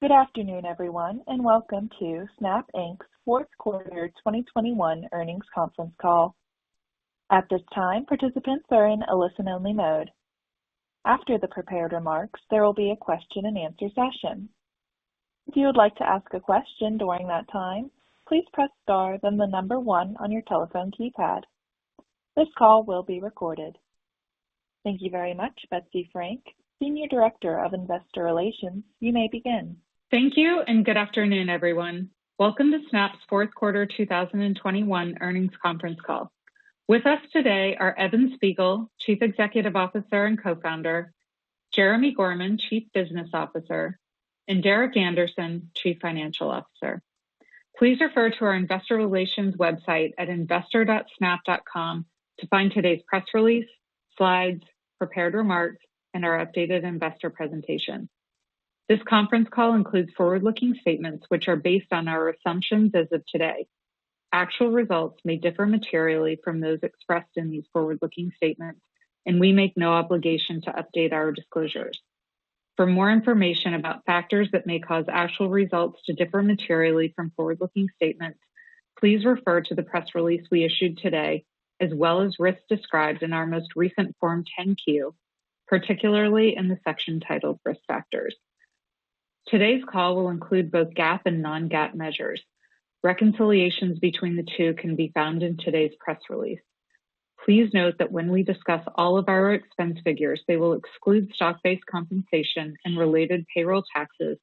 Good afternoon, everyone, and welcome to Snap Inc's Fourth Quarter 2021 Earnings conference call. At this time, participants are in a listen-only mode. After the prepared remarks, there will be a question-and-answer session. If you would like to ask a question during that time, please press star then the number one on your telephone keypad. This call will be recorded. Thank you very much, Betsy Frank, Senior Director of Investor Relations. You may begin. Thank you and good afternoon, everyone. Welcome to Snap's Fourth Quarter 2021 Earnings Conference Call. With us today are Evan Spiegel, Chief Executive Officer and Co-Founder, Jeremi Gorman, Chief Business Officer, and Derek Andersen, Chief Financial Officer. Please refer to our investor relations website at investor.snap.com to find today's press release, slides, prepared remarks, and our updated investor presentation. This conference call includes forward-looking statements which are based on our assumptions as of today. Actual results may differ materially from those expressed in these forward-looking statements, and we make no obligation to update our disclosures. For more information about factors that may cause actual results to differ materially from forward-looking statements, please refer to the press release we issued today, as well as risks described in our most recent Form 10-Q, particularly in the section titled Risk Factors. Today's call will include both GAAP and non-GAAP measures. Reconciliations between the two can be found in today's press release. Please note that when we discuss all of our expense figures, they will exclude stock-based compensation and related payroll taxes,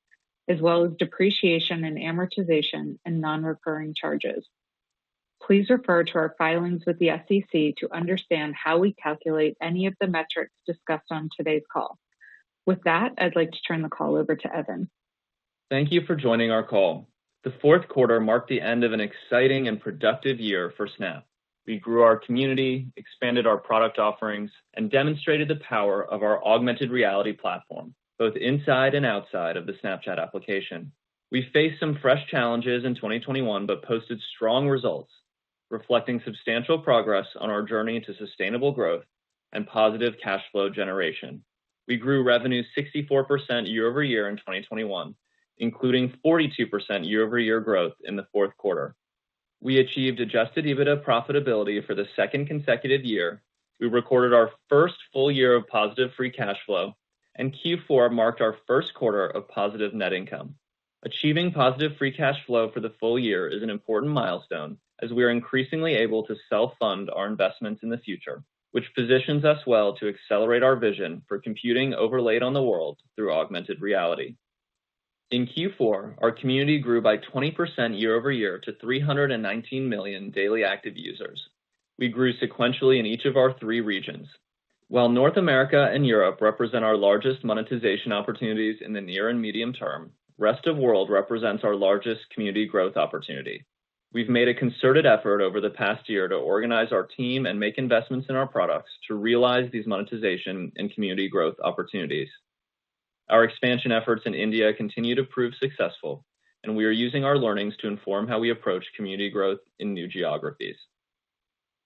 as well as depreciation and amortization and non-recurring charges. Please refer to our filings with the SEC to understand how we calculate any of the metrics discussed on today's call. With that, I'd like to turn the call over to Evan. Thank you for joining our call. The fourth quarter marked the end of an exciting and productive year for Snap. We grew our community, expanded our product offerings, and demonstrated the power of our augmented reality platform, both inside and outside of the Snapchat application. We faced some fresh challenges in 2021, but posted strong results reflecting substantial progress on our journey to sustainable growth and positive cash flow generation. We grew revenue 64% year-over-year in 2021, including 42% year-over-year growth in the fourth quarter. We achieved adjusted EBITDA profitability for the second consecutive year. We recorded our first full year of positive free cash flow, and Q4 marked our first quarter of positive net income. Achieving positive free cash flow for the full year is an important milestone as we are increasingly able to self-fund our investments in the future, which positions us well to accelerate our vision for computing overlaid on the world through augmented reality. In Q4, our community grew by 20% year-over-year to 319 million daily active users. We grew sequentially in each of our three regions. While North America and Europe represent our largest monetization opportunities in the near and medium term, rest of world represents our largest community growth opportunity. We've made a concerted effort over the past year to organize our team and make investments in our products to realize these monetization and community growth opportunities. Our expansion efforts in India continue to prove successful, and we are using our learnings to inform how we approach community growth in new geographies.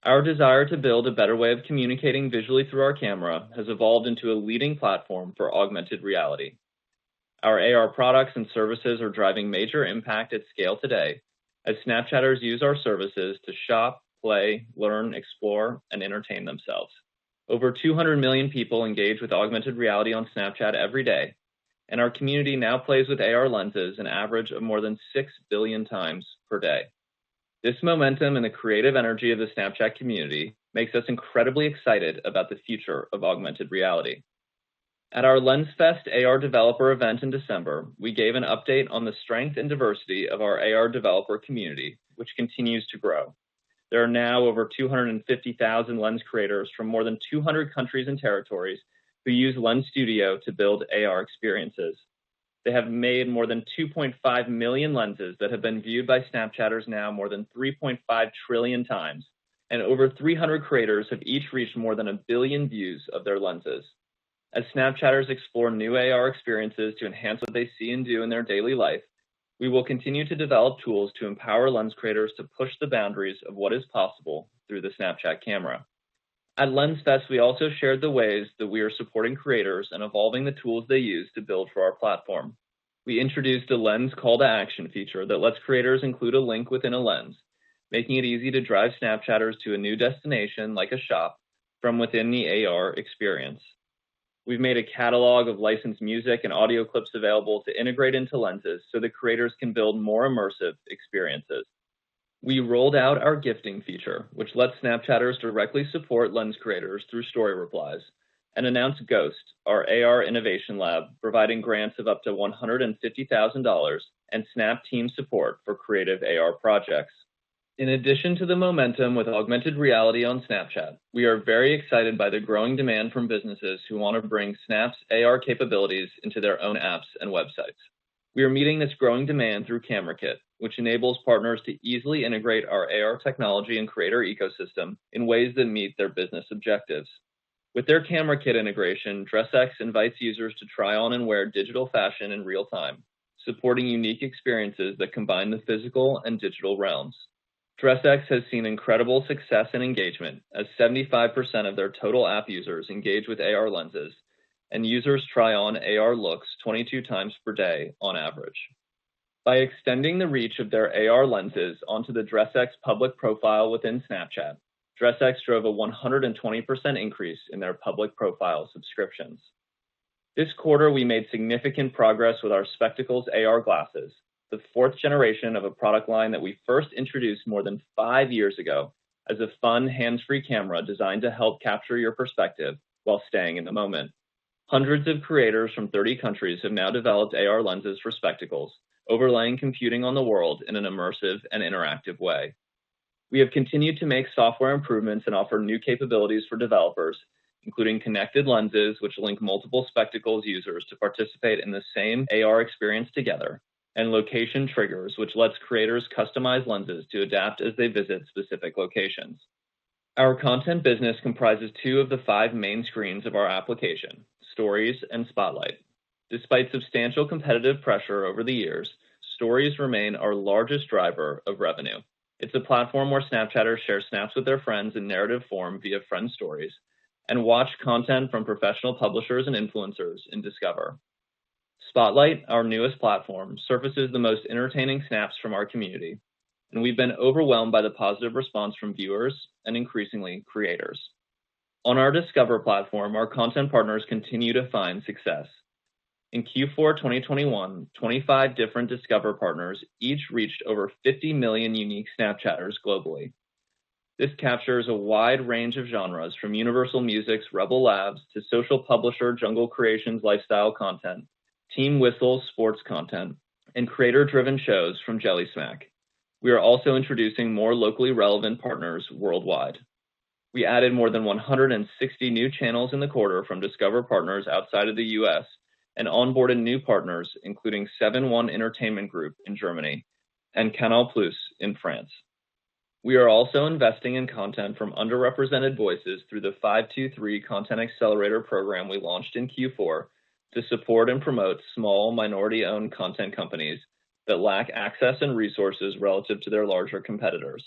Our desire to build a better way of communicating visually through our camera has evolved into a leading platform for augmented reality. Our AR products and services are driving major impact at scale today as Snapchatters use our services to shop, play, learn, explore, and entertain themselves. Over 200 million people engage with augmented reality on Snapchat every day, and our community now plays with AR Lenses an average of more than six billion times per day. This momentum and the creative energy of the Snapchat community makes us incredibly excited about the future of augmented reality. At our Lens Fest AR developer event in December, we gave an update on the strength and diversity of our AR developer community, which continues to grow. There are now over 250,000 Lens creators from more than 200 countries and territories who use Lens Studio to build AR experiences. They have made more than 2.5 million Lenses that have been viewed by Snapchatters now more than 3.5 trillion times. Over 300 creators have each reached more than one billion views of their Lenses. As Snapchatters explore new AR experiences to enhance what they see and do in their daily life, we will continue to develop tools to empower Lens creators to push the boundaries of what is possible through the Snapchat camera. At Lens Fest, we also shared the ways that we are supporting creators and evolving the tools they use to build for our platform. We introduced a Lens call to action feature that lets creators include a link within a Lens, making it easy to drive Snapchatters to a new destination, like a shop from within the AR experience. We've made a catalog of licensed music and audio clips available to integrate into Lenses so that creators can build more immersive experiences. We rolled out our gifting feature, which lets Snapchatters directly support Lens creators through story replies, and announced Ghost, our AR innovation lab, providing grants of up to $150,000 and Snap team support for creative AR projects. In addition to the momentum with augmented reality on Snapchat, we are very excited by the growing demand from businesses who wanna bring Snap's AR capabilities into their own apps and websites. We are meeting this growing demand through Camera Kit, which enables partners to easily integrate our AR technology and creator ecosystem in ways that meet their business objectives. With their Camera Kit integration, DRESSX invites users to try on and wear digital fashion in real time, supporting unique experiences that combine the physical and digital realms. DRESSX has seen incredible success and engagement as 75% of their total app users engage with AR lenses, and users try on AR looks 22 times per day on average. By extending the reach of their AR lenses onto the DRESSX public profile within Snapchat, DRESSX drove a 120% increase in their public profile subscriptions. This quarter, we made significant progress with our Spectacles AR glasses, the fourth generation of a product line that we first introduced more than five years ago as a fun hands-free camera designed to help capture your perspective while staying in the moment. Hundreds of creators from 30 countries have now developed AR Lenses for Spectacles, overlaying computing on the world in an immersive and interactive way. We have continued to make software improvements and offer new capabilities for developers, including Connected Lenses, which link multiple Spectacles users to participate in the same AR experience together, and Location Triggers, which lets creators customize Lenses to adapt as they visit specific locations. Our content business comprises two of the five main screens of our application, Stories and Spotlight. Despite substantial competitive pressure over the years, Stories remain our largest driver of revenue. It's a platform where Snapchatters share Snaps with their friends in narrative form via Friends Stories and watch content from professional publishers and influencers in Discover. Spotlight, our newest platform, surfaces the most entertaining snaps from our community, and we've been overwhelmed by the positive response from viewers and increasingly creators. On our Discover platform, our content partners continue to find success. In Q4 2021, 25 different Discover partners each reached over 50 million unique Snapchatters globally. This captures a wide range of genres from Universal Music's Rebel Labs to social publisher Jungle Creations' lifestyle content, Team Whistle sports content, and creator-driven shows from Jellysmack. We are also introducing more locally relevant partners worldwide. We added more than 160 new channels in the quarter from Discover partners outside of the U.S. and onboarded new partners, including Seven.One Entertainment Group in Germany and CANAL+ in France. We are also investing in content from underrepresented voices through the 523 content accelerator program we launched in Q4 to support and promote small minority-owned content companies that lack access and resources relative to their larger competitors.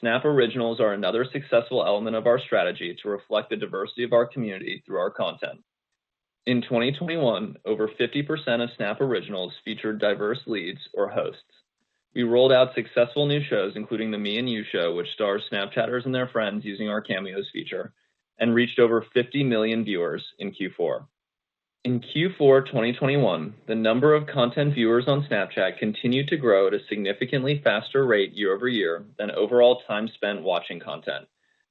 Snap Originals are another successful element of our strategy to reflect the diversity of our community through our content. In 2021, over 50% of Snap Originals featured diverse leads or hosts. We rolled out successful new shows, including The Me and You Show, which stars Snapchatters and their friends using our Cameos feature, and reached over 50 million viewers in Q4. In Q4 2021, the number of content viewers on Snapchat continued to grow at a significantly faster rate year-over-year than overall time spent watching content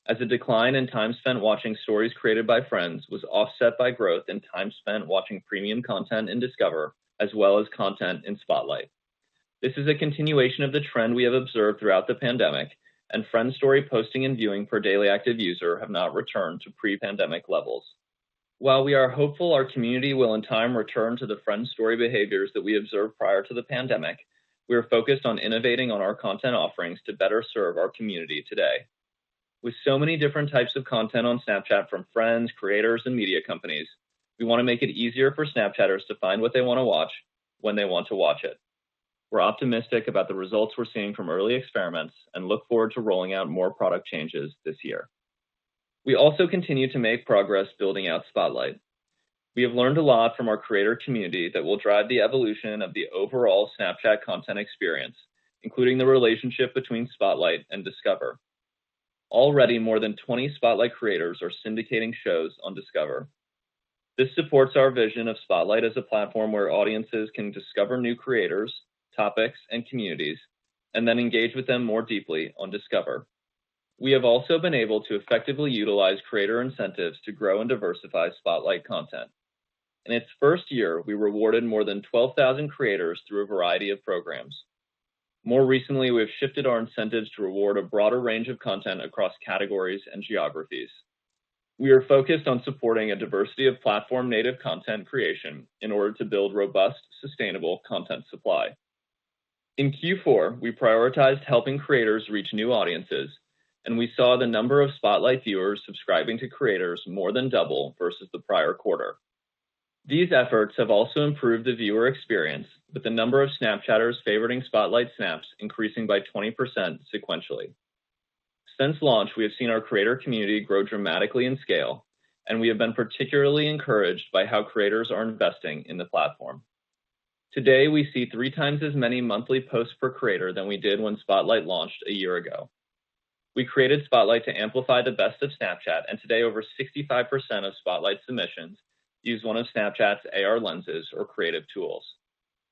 as a decline in time spent watching stories created by friends was offset by growth in time spent watching premium content in Discover as well as content in Spotlight. This is a continuation of the trend we have observed throughout the pandemic, and friend story posting and viewing per daily active user have now returned to pre-pandemic levels. While we are hopeful our community will in time return to the friend story behaviors that we observed prior to the pandemic, we are focused on innovating on our content offerings to better serve our community today. With so many different types of content on Snapchat from friends, creators, and media companies, we wanna make it easier for Snapchatters to find what they want to watch when they want to watch it. We're optimistic about the results we're seeing from early experiments and look forward to rolling out more product changes this year. We also continue to make progress building out Spotlight. We have learned a lot from our creator community that will drive the evolution of the overall Snapchat content experience, including the relationship between Spotlight and Discover. Already more than 20 Spotlight creators are syndicating shows on Discover. This supports our vision of Spotlight as a platform where audiences can discover new creators, topics, and communities and then engage with them more deeply on Discover. We have also been able to effectively utilize creator incentives to grow and diversify Spotlight content. In its first year, we rewarded more than 12,000 creators through a variety of programs. More recently, we have shifted our incentives to reward a broader range of content across categories and geographies. We are focused on supporting a diversity of platform-native content creation in order to build robust, sustainable content supply. In Q4, we prioritized helping creators reach new audiences, and we saw the number of Spotlight viewers subscribing to creators more than double versus the prior quarter. These efforts have also improved the viewer experience, with the number of Snapchatters favoriting Spotlight snaps increasing by 20% sequentially. Since launch, we have seen our creator community grow dramatically in scale, and we have been particularly encouraged by how creators are investing in the platform. Today, we see three times as many monthly posts per creator than we did when Spotlight launched a year ago. We created Spotlight to amplify the best of Snapchat, and today over 65% of Spotlight submissions use one of Snapchat's AR Lenses or creative tools.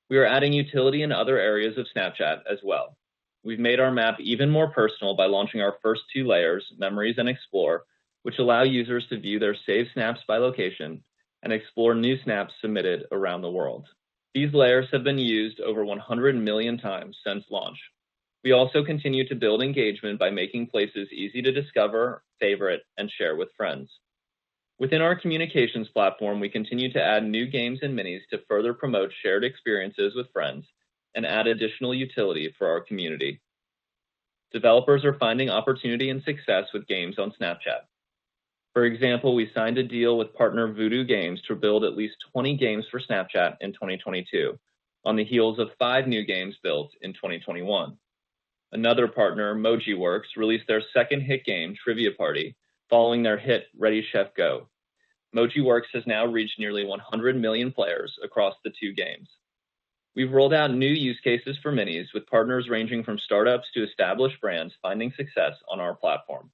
We are adding utility in other areas of Snapchat as well. We've made our map even more personal by launching our first two layers, Memories and Explore, which allow users to view their saved snaps by location and explore new snaps submitted around the world. These layers have been used over 100 million times since launch. We also continue to build engagement by making places easy to discover, favorite, and share with friends. Within our communications platform, we continue to add new games and Minis to further promote shared experiences with friends and add additional utility for our community. Developers are finding opportunity and success with games on Snapchat. For example, we signed a deal with partner Voodoo games to build at least 20 games for Snapchat in 2022 on the heels of five new games built in 2021. Another partner, Mojiworks, released their second hit game, Trivia Party, following their hit Ready Chef Go!. Mojiworks has now reached nearly 100 million players across the two games. We've rolled out new use cases for Minis with partners ranging from startups to established brands finding success on our platform.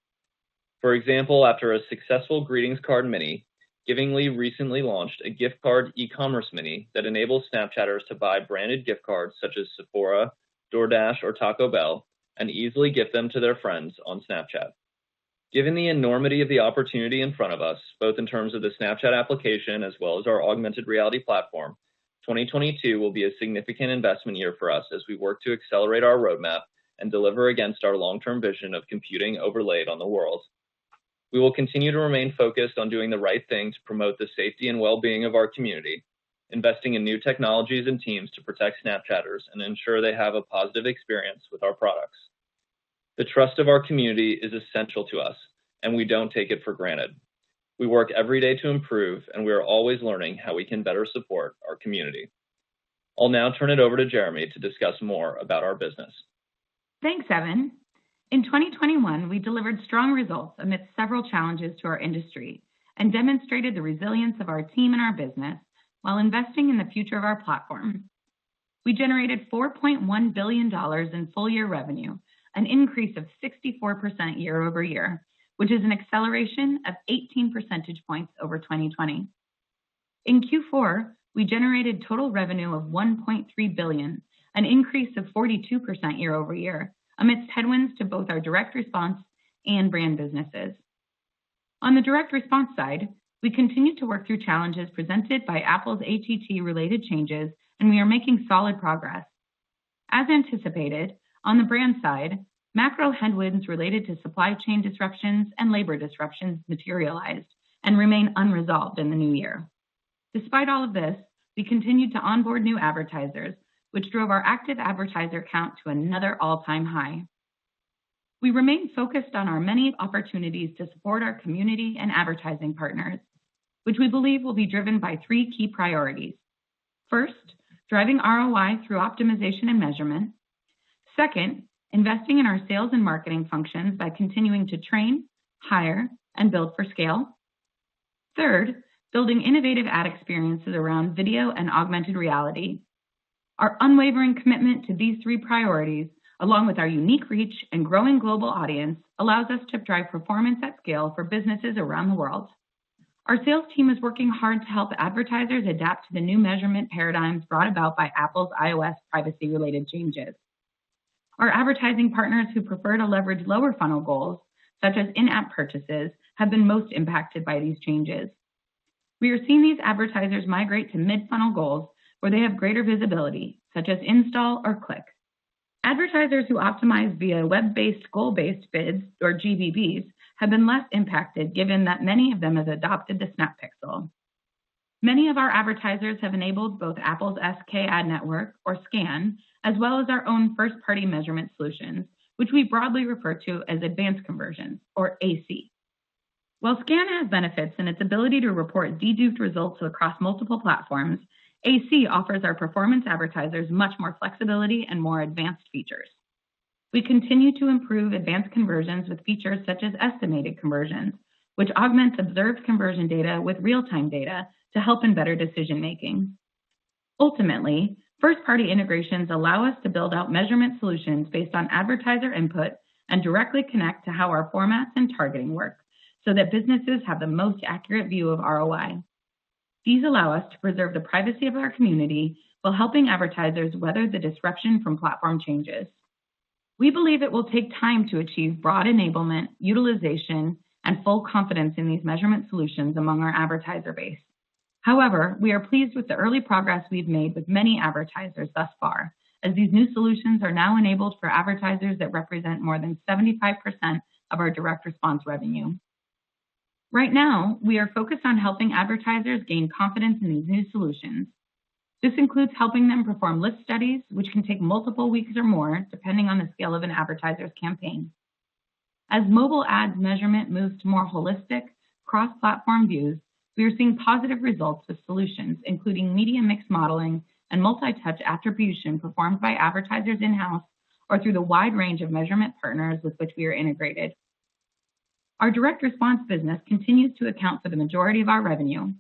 For example, after a successful greetings card Mini, Givingli recently launched a gift card e-commerce Mini that enables Snapchatters to buy branded gift cards such as Sephora, DoorDash, or Taco Bell and easily gift them to their friends on Snapchat. Given the enormity of the opportunity in front of us, both in terms of the Snapchat application as well as our augmented reality platform, 2022 will be a significant investment year for us as we work to accelerate our roadmap and deliver against our long-term vision of computing overlaid on the world. We will continue to remain focused on doing the right thing to promote the safety and well-being of our community, investing in new technologies and teams to protect Snapchatters and ensure they have a positive experience with our products. The trust of our community is essential to us, and we don't take it for granted. We work every day to improve, and we are always learning how we can better support our community. I'll now turn it over to Jeremi to discuss more about our business. Thanks, Evan. In 2021, we delivered strong results amidst several challenges to our industry and demonstrated the resilience of our team and our business while investing in the future of our platform. We generated $4.1 billion in full-year revenue, an increase of 64% year-over-year, which is an acceleration of 18 percentage points over 2020. In Q4, we generated total revenue of $1.3 billion, an increase of 42% year-over-year, amidst headwinds to both our direct response and brand businesses. On the direct response side, we continued to work through challenges presented by Apple's ATT-related changes, and we are making solid progress. As anticipated, on the brand side, macro headwinds related to supply chain disruptions and labor disruptions materialized and remain unresolved in the new year. Despite all of this, we continued to onboard new advertisers, which drove our active advertiser count to another all-time high. We remain focused on our many opportunities to support our community and advertising partners, which we believe will be driven by three key priorities. First, driving ROI through optimization and measurement. Second, investing in our sales and marketing functions by continuing to train, hire, and build for scale. Third, building innovative ad experiences around video and augmented reality. Our unwavering commitment to these three priorities, along with our unique reach and growing global audience, allows us to drive performance at scale for businesses around the world. Our sales team is working hard to help advertisers adapt to the new measurement paradigms brought about by Apple's iOS privacy-related changes. Our advertising partners who prefer to leverage lower funnel goals, such as in-app purchases, have been most impacted by these changes. We are seeing these advertisers migrate to mid-funnel goals where they have greater visibility, such as install or click. Advertisers who optimize via web-based goal-based bids, or GBBs, have been less impacted given that many of them have adopted the Snap Pixel. Many of our advertisers have enabled both Apple's SKAdNetwork, or SKAN, as well as our own first-party measurement solutions, which we broadly refer to as Advanced Conversion, or AC. While SKAN has benefits in its ability to report deduped results across multiple platforms, AC offers our performance advertisers much more flexibility and more advanced features. We continue to improve Advanced Conversions with features such as estimated conversions, which augments observed conversion data with real-time data to help in better decision-making. Ultimately, first-party integrations allow us to build out measurement solutions based on advertiser input and directly connect to how our formats and targeting work so that businesses have the most accurate view of ROI. These allow us to preserve the privacy of our community while helping advertisers weather the disruption from platform changes. We believe it will take time to achieve broad enablement, utilization, and full confidence in these measurement solutions among our advertiser base. However, we are pleased with the early progress we've made with many advertisers thus far, as these new solutions are now enabled for advertisers that represent more than 75% of our direct response revenue. Right now, we are focused on helping advertisers gain confidence in these new solutions. This includes helping them perform lift studies, which can take multiple weeks or more, depending on the scale of an advertiser's campaign. As mobile ad measurement moves to more holistic cross-platform views, we are seeing positive results with solutions, including media mix modeling and multi-touch attribution performed by advertisers in-house or through the wide range of measurement partners with which we are integrated. Our direct response business continues to account for the majority of our revenue.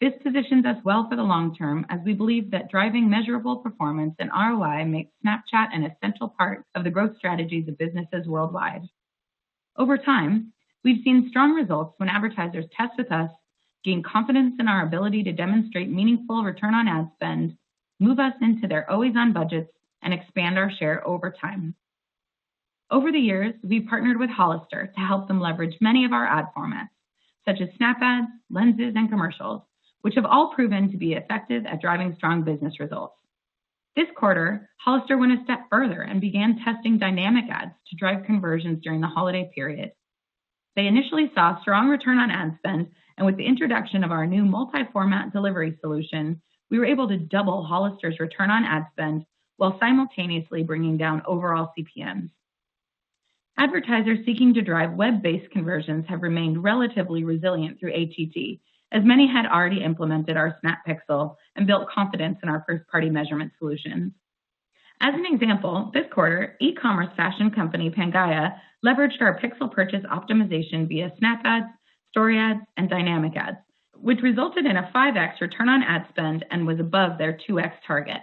This positions us well for the long term, as we believe that driving measurable performance and ROI makes Snapchat an essential part of the growth strategies of businesses worldwide. Over time, we've seen strong results when advertisers test with us, gain confidence in our ability to demonstrate meaningful return on ad spend, move us into their always-on budgets, and expand our share over time. Over the years, we've partnered with Hollister to help them leverage many of our ad formats, such as Snap Ads, Lenses, and Commercials, which have all proven to be effective at driving strong business results. This quarter, Hollister went a step further and began testing Dynamic Ads to drive conversions during the holiday period. They initially saw strong return on ad spend, and with the introduction of our new multi-format delivery solution, we were able to double Hollister's return on ad spend while simultaneously bringing down overall CPMs. Advertisers seeking to drive web-based conversions have remained relatively resilient through ATT, as many had already implemented our Snap Pixel and built confidence in our first-party measurement solutions. As an example, this quarter, e-commerce fashion company Pangaia leveraged our pixel purchase optimization via Snap Ads, Story Ads, and Dynamic Ads, which resulted in a 5x return on ad spend and was above their 2x target.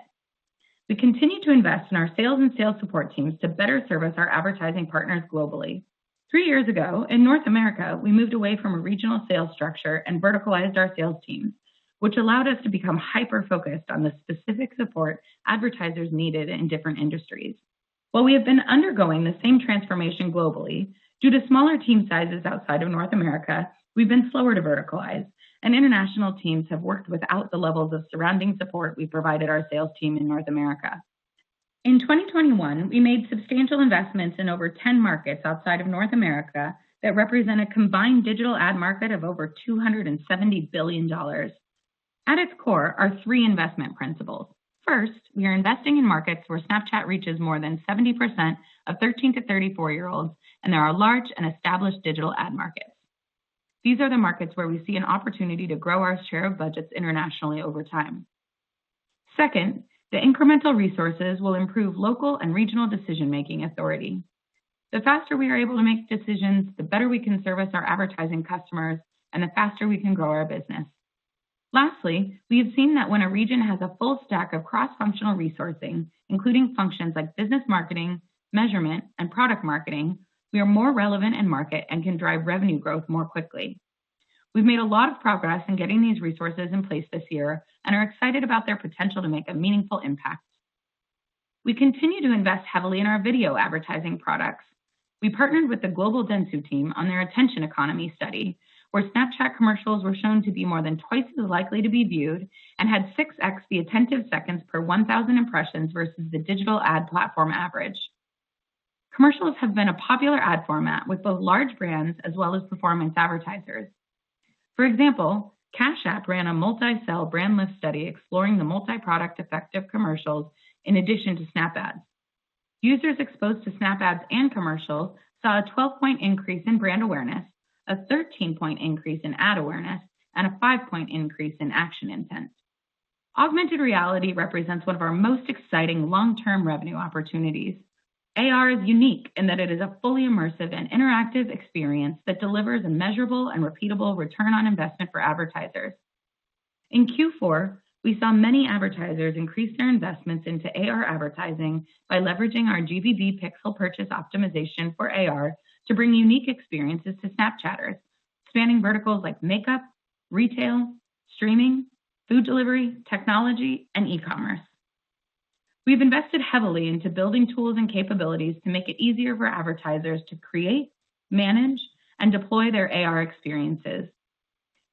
We continue to invest in our sales and sales support teams to better service our advertising partners globally. Three years ago, in North America, we moved away from a regional sales structure and verticalized our sales teams, which allowed us to become hyper-focused on the specific support advertisers needed in different industries. While we have been undergoing the same transformation globally, due to smaller team sizes outside of North America, we've been slower to verticalize, and international teams have worked without the levels of surrounding support we provided our sales team in North America. In 2021, we made substantial investments in over 10 markets outside of North America that represent a combined digital ad market of over $270 billion. At its core are three investment principles. First, we are investing in markets where Snapchat reaches more than 70% of 13- to 34-year-olds, and there are large and established digital ad markets. These are the markets where we see an opportunity to grow our share of budgets internationally over time. Second, the incremental resources will improve local and regional decision-making authority. The faster we are able to make decisions, the better we can service our advertising customers and the faster we can grow our business. Lastly, we have seen that when a region has a full stack of cross-functional resourcing, including functions like business marketing, measurement, and product marketing, we are more relevant in market and can drive revenue growth more quickly. We've made a lot of progress in getting these resources in place this year and are excited about their potential to make a meaningful impact. We continue to invest heavily in our video advertising products. We partnered with the global Dentsu team on their Attention Economy study, where Snapchat Commercials were shown to be more than twice as likely to be viewed and had 6x the attentive seconds per 1,000 impressions versus the digital ad platform average. Commercials have been a popular ad format with both large brands as well as performance advertisers. For example, Cash App ran a multi-cell brand lift study exploring the multi-product effect of Commercials in addition to Snap Ads. Users exposed to Snap Ads and Commercials saw a 12-point increase in brand awareness, a 13-point increase in ad awareness, and a five-point increase in action intent. Augmented reality represents one of our most exciting long-term revenue opportunities. AR is unique in that it is a fully immersive and interactive experience that delivers a measurable and repeatable return on investment for advertisers. In Q4, we saw many advertisers increase their investments into AR advertising by leveraging our GBB Pixel purchase optimization for AR to bring unique experiences to Snapchatters, spanning verticals like makeup, retail, streaming, food delivery, technology, and e-commerce. We've invested heavily into building tools and capabilities to make it easier for advertisers to create, manage, and deploy their AR experiences.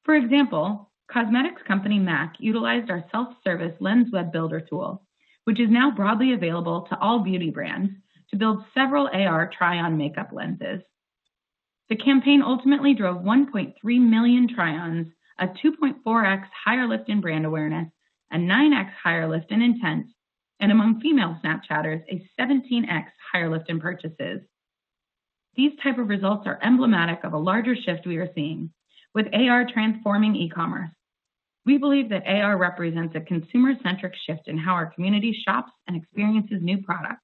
For example, cosmetics company MAC utilized our self-service Lens Web Builder tool, which is now broadly available to all beauty brands to build several AR try-on makeup lenses. The campaign ultimately drove 1.3 million try-ons, a 2.4x higher lift in brand awareness, a 9x higher lift in intents, and among female Snapchatters, a 17x higher lift in purchases. These type of results are emblematic of a larger shift we are seeing with AR transforming e-commerce. We believe that AR represents a consumer-centric shift in how our community shops and experiences new products,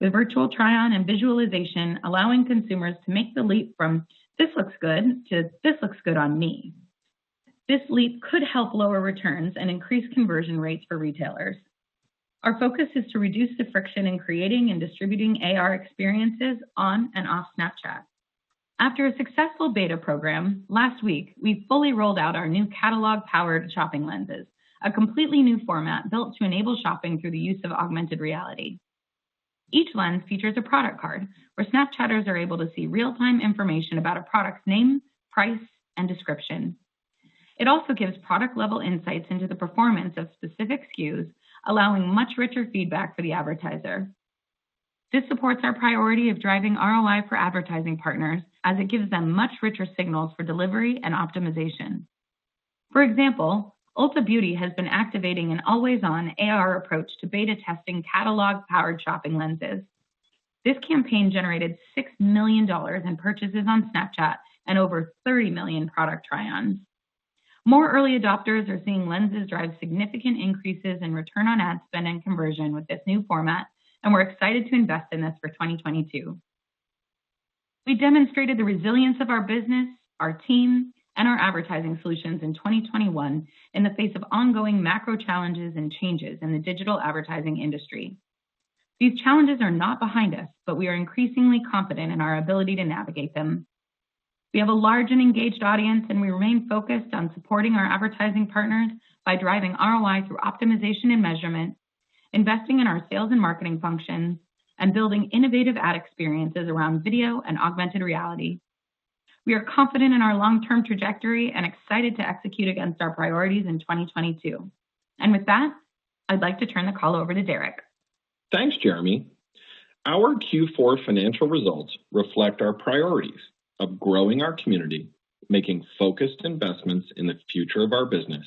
with virtual try-on and visualization allowing consumers to make the leap from this looks good to this looks good on me. This leap could help lower returns and increase conversion rates for retailers. Our focus is to reduce the friction in creating and distributing AR experiences on and off Snapchat. After a successful beta program, last week, we fully rolled out our new catalog-powered shopping Lenses, a completely new format built to enable shopping through the use of augmented reality. Each Lens features a product card where Snapchatters are able to see real-time information about a product's name, price, and description. It also gives product-level insights into the performance of specific SKUs, allowing much richer feedback for the advertiser. This supports our priority of driving ROI for advertising partners as it gives them much richer signals for delivery and optimization. For example, Ulta Beauty has been activating an always-on AR approach to beta testing catalog-powered shopping Lenses. This campaign generated $6 million in purchases on Snapchat and over 30 million product try-ons. More early adopters are seeing lenses drive significant increases in return on ad spend and conversion with this new format, and we're excited to invest in this for 2022. We demonstrated the resilience of our business, our team, and our advertising solutions in 2021 in the face of ongoing macro challenges and changes in the digital advertising industry. These challenges are not behind us, but we are increasingly confident in our ability to navigate them. We have a large and engaged audience, and we remain focused on supporting our advertising partners by driving ROI through optimization and measurement, investing in our sales and marketing functions, and building innovative ad experiences around video and augmented reality. We are confident in our long-term trajectory and excited to execute against our priorities in 2022. With that, I'd like to turn the call over to Derek. Thanks, Jeremi. Our Q4 financial results reflect our priorities of growing our community, making focused investments in the future of our business,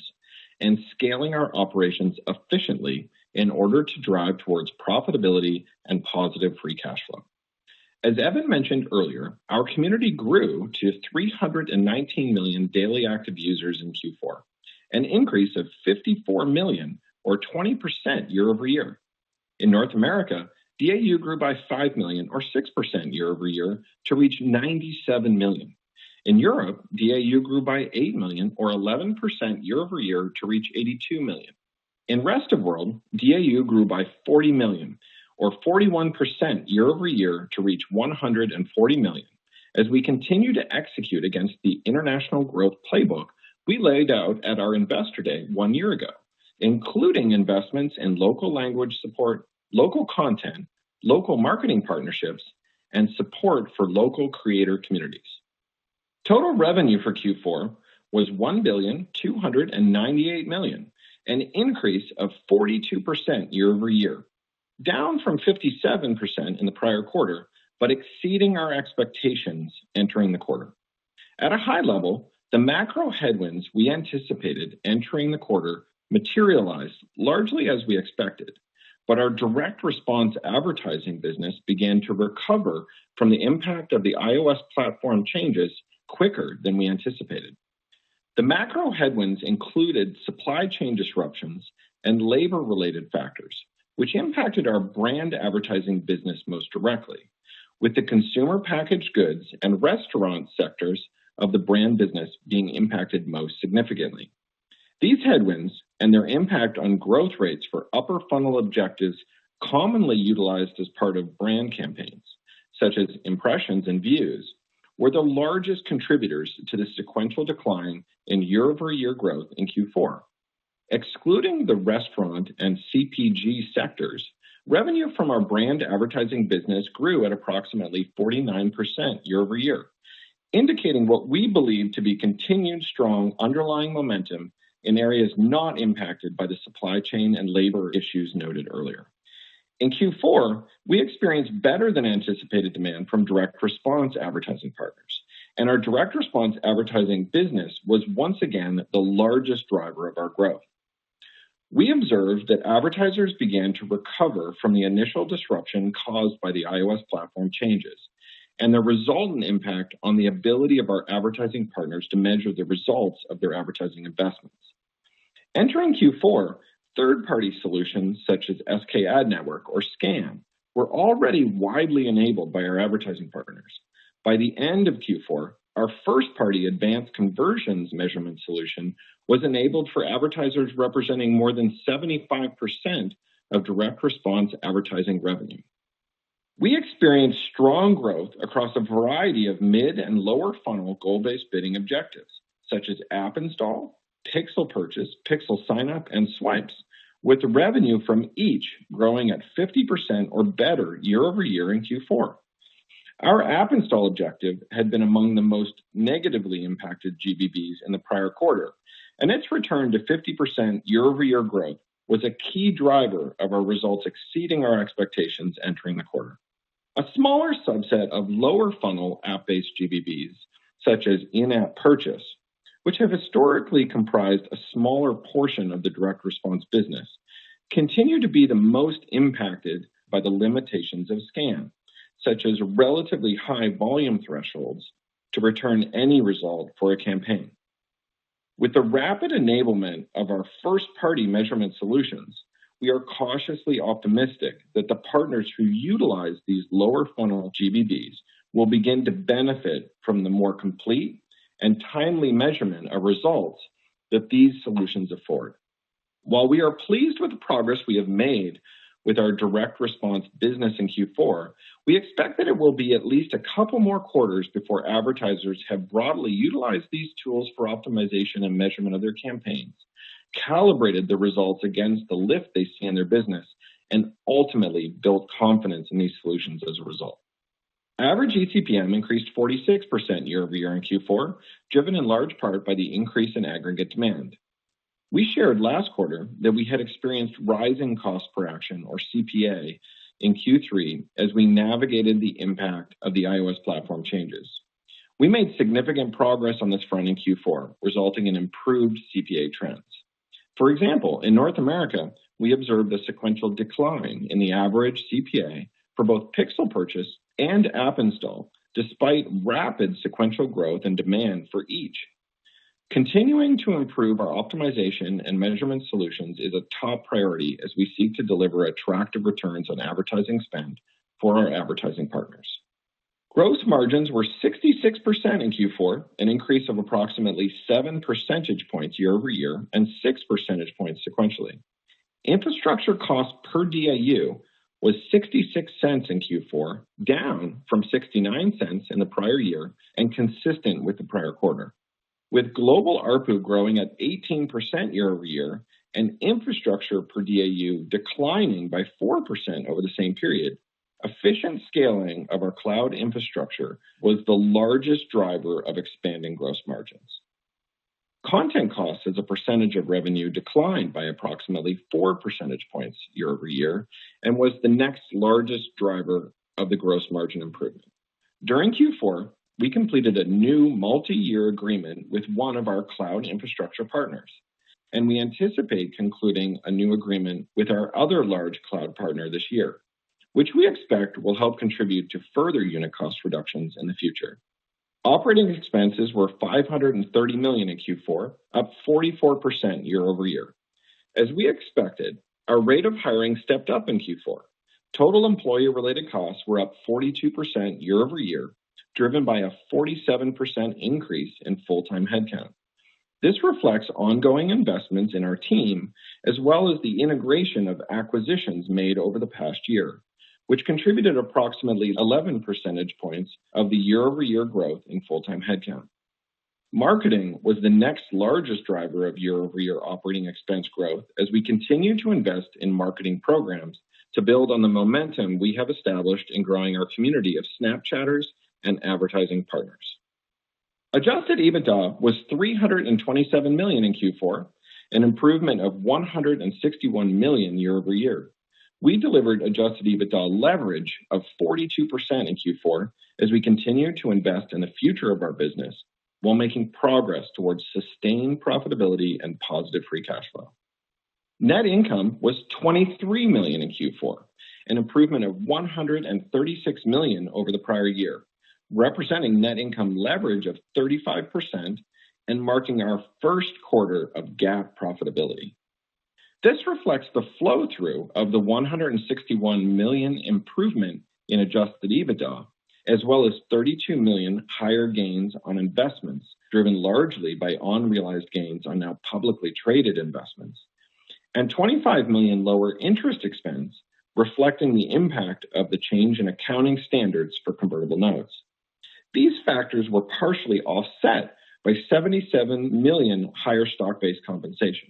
and scaling our operations efficiently in order to drive towards profitability and positive free cash flow. As Evan mentioned earlier, our community grew to 319 million daily active users in Q4, an increase of 54 million or 20% year-over-year. In North America, DAU grew by five million or 6% year-over-year to reach 97 million. In Europe, DAU grew by eight million or 11% year-over-year to reach 82 million. In rest of world, DAU grew by 40 million or 41% year-over-year to reach 140 million. As we continue to execute against the international growth playbook we laid out at our Investor Day one year ago, including investments in local language support, local content, local marketing partnerships, and support for local creator communities. Total revenue for Q4 was $1.298 billion, an increase of 42% year-over-year, down from 57% in the prior quarter, but exceeding our expectations entering the quarter. At a high level, the macro headwinds we anticipated entering the quarter materialized largely as we expected, but our direct response advertising business began to recover from the impact of the iOS platform changes quicker than we anticipated. The macro headwinds included supply chain disruptions and labor-related factors, which impacted our brand advertising business most directly with the consumer packaged goods and restaurant sectors of the brand business being impacted most significantly. These headwinds and their impact on growth rates for upper funnel objectives commonly utilized as part of brand campaigns, such as impressions and views, were the largest contributors to the sequential decline in year-over-year growth in Q4. Excluding the restaurant and CPG sectors, revenue from our brand advertising business grew at approximately 49% year-over-year, indicating what we believe to be continued strong underlying momentum in areas not impacted by the supply chain and labor issues noted earlier. In Q4, we experienced better than anticipated demand from direct response advertising partners, and our direct response advertising business was once again the largest driver of our growth. We observed that advertisers began to recover from the initial disruption caused by the iOS platform changes and the resultant impact on the ability of our advertising partners to measure the results of their advertising investments. Entering Q4, third-party solutions such as SKAdNetwork or SKAN were already widely enabled by our advertising partners. By the end of Q4, our first-party Advanced Conversions measurement solution was enabled for advertisers representing more than 75% of direct response advertising revenue. We experienced strong growth across a variety of mid and lower funnel goal-based bidding objectives, such as app install, pixel purchase, pixel sign up, and swipes, with revenue from each growing at 50% or better year-over-year in Q4. Our app install objective had been among the most negatively impacted GBBs in the prior quarter, and its return to 50% year-over-year growth was a key driver of our results exceeding our expectations entering the quarter. A smaller subset of lower funnel app-based GBBs, such as in-app purchase, which have historically comprised a smaller portion of the direct response business, continue to be the most impacted by the limitations of SKAN, such as relatively high volume thresholds to return any result for a campaign. With the rapid enablement of our first-party measurement solutions, we are cautiously optimistic that the partners who utilize these lower funnel GBBs will begin to benefit from the more complete and timely measurement of results that these solutions afford. While we are pleased with the progress we have made with our direct response business in Q4, we expect that it will be at least a couple more quarters before advertisers have broadly utilized these tools for optimization and measurement of their campaigns, calibrated the results against the lift they see in their business, and ultimately built confidence in these solutions as a result. Average eCPM increased 46% year-over-year in Q4, driven in large part by the increase in aggregate demand. We shared last quarter that we had experienced rising cost per action or CPA in Q3 as we navigated the impact of the iOS platform changes. We made significant progress on this front in Q4, resulting in improved CPA trends. For example, in North America, we observed a sequential decline in the average CPA for both pixel purchase and app install, despite rapid sequential growth and demand for each. Continuing to improve our optimization and measurement solutions is a top priority as we seek to deliver attractive returns on advertising spend for our advertising partners. Gross margins were 66% in Q4, an increase of approximately seven percentage points year-over-year and six percentage points sequentially. Infrastructure cost per DAU was $0.66 in Q4, down from $0.69 in the prior year, and consistent with the prior quarter. With global ARPU growing at 18% year-over-year and infrastructure per DAU declining by 4% over the same period, efficient scaling of our cloud infrastructure was the largest driver of expanding gross margins. Content cost as a percentage of revenue declined by approximately percentage points year-over-year and was the next largest driver of the gross margin improvement. During Q4, we completed a new multi-year agreement with one of our cloud infrastructure partners, and we anticipate concluding a new agreement with our other large cloud partner this year, which we expect will help contribute to further unit cost reductions in the future. Operating expenses were $530 million in Q4, up 44% year-over-year. As we expected, our rate of hiring stepped up in Q4. Total employee-related costs were up 42% year-over-year, driven by a 47% increase in full-time headcount. This reflects ongoing investments in our team, as well as the integration of acquisitions made over the past year, which contributed approximately 11 percentage points of the year-over-year growth in full-time headcount. Marketing was the next largest driver of year-over-year operating expense growth as we continue to invest in marketing programs to build on the momentum we have established in growing our community of Snapchatters and advertising partners. Adjusted EBITDA was $327 million in Q4, an improvement of $161 million year-over-year. We delivered adjusted EBITDA leverage of 42% in Q4 as we continue to invest in the future of our business while making progress towards sustained profitability and positive free cash flow. Net income was $23 million in Q4, an improvement of $136 million over the prior year, representing net income leverage of 35% and marking our first quarter of GAAP profitability. This reflects the flow-through of the $161 million improvement in adjusted EBITDA, as well as $32 million higher gains on investments, driven largely by unrealized gains on now publicly traded investments, and $25 million lower interest expense reflecting the impact of the change in accounting standards for convertible notes. These factors were partially offset by $77 million higher stock-based compensation.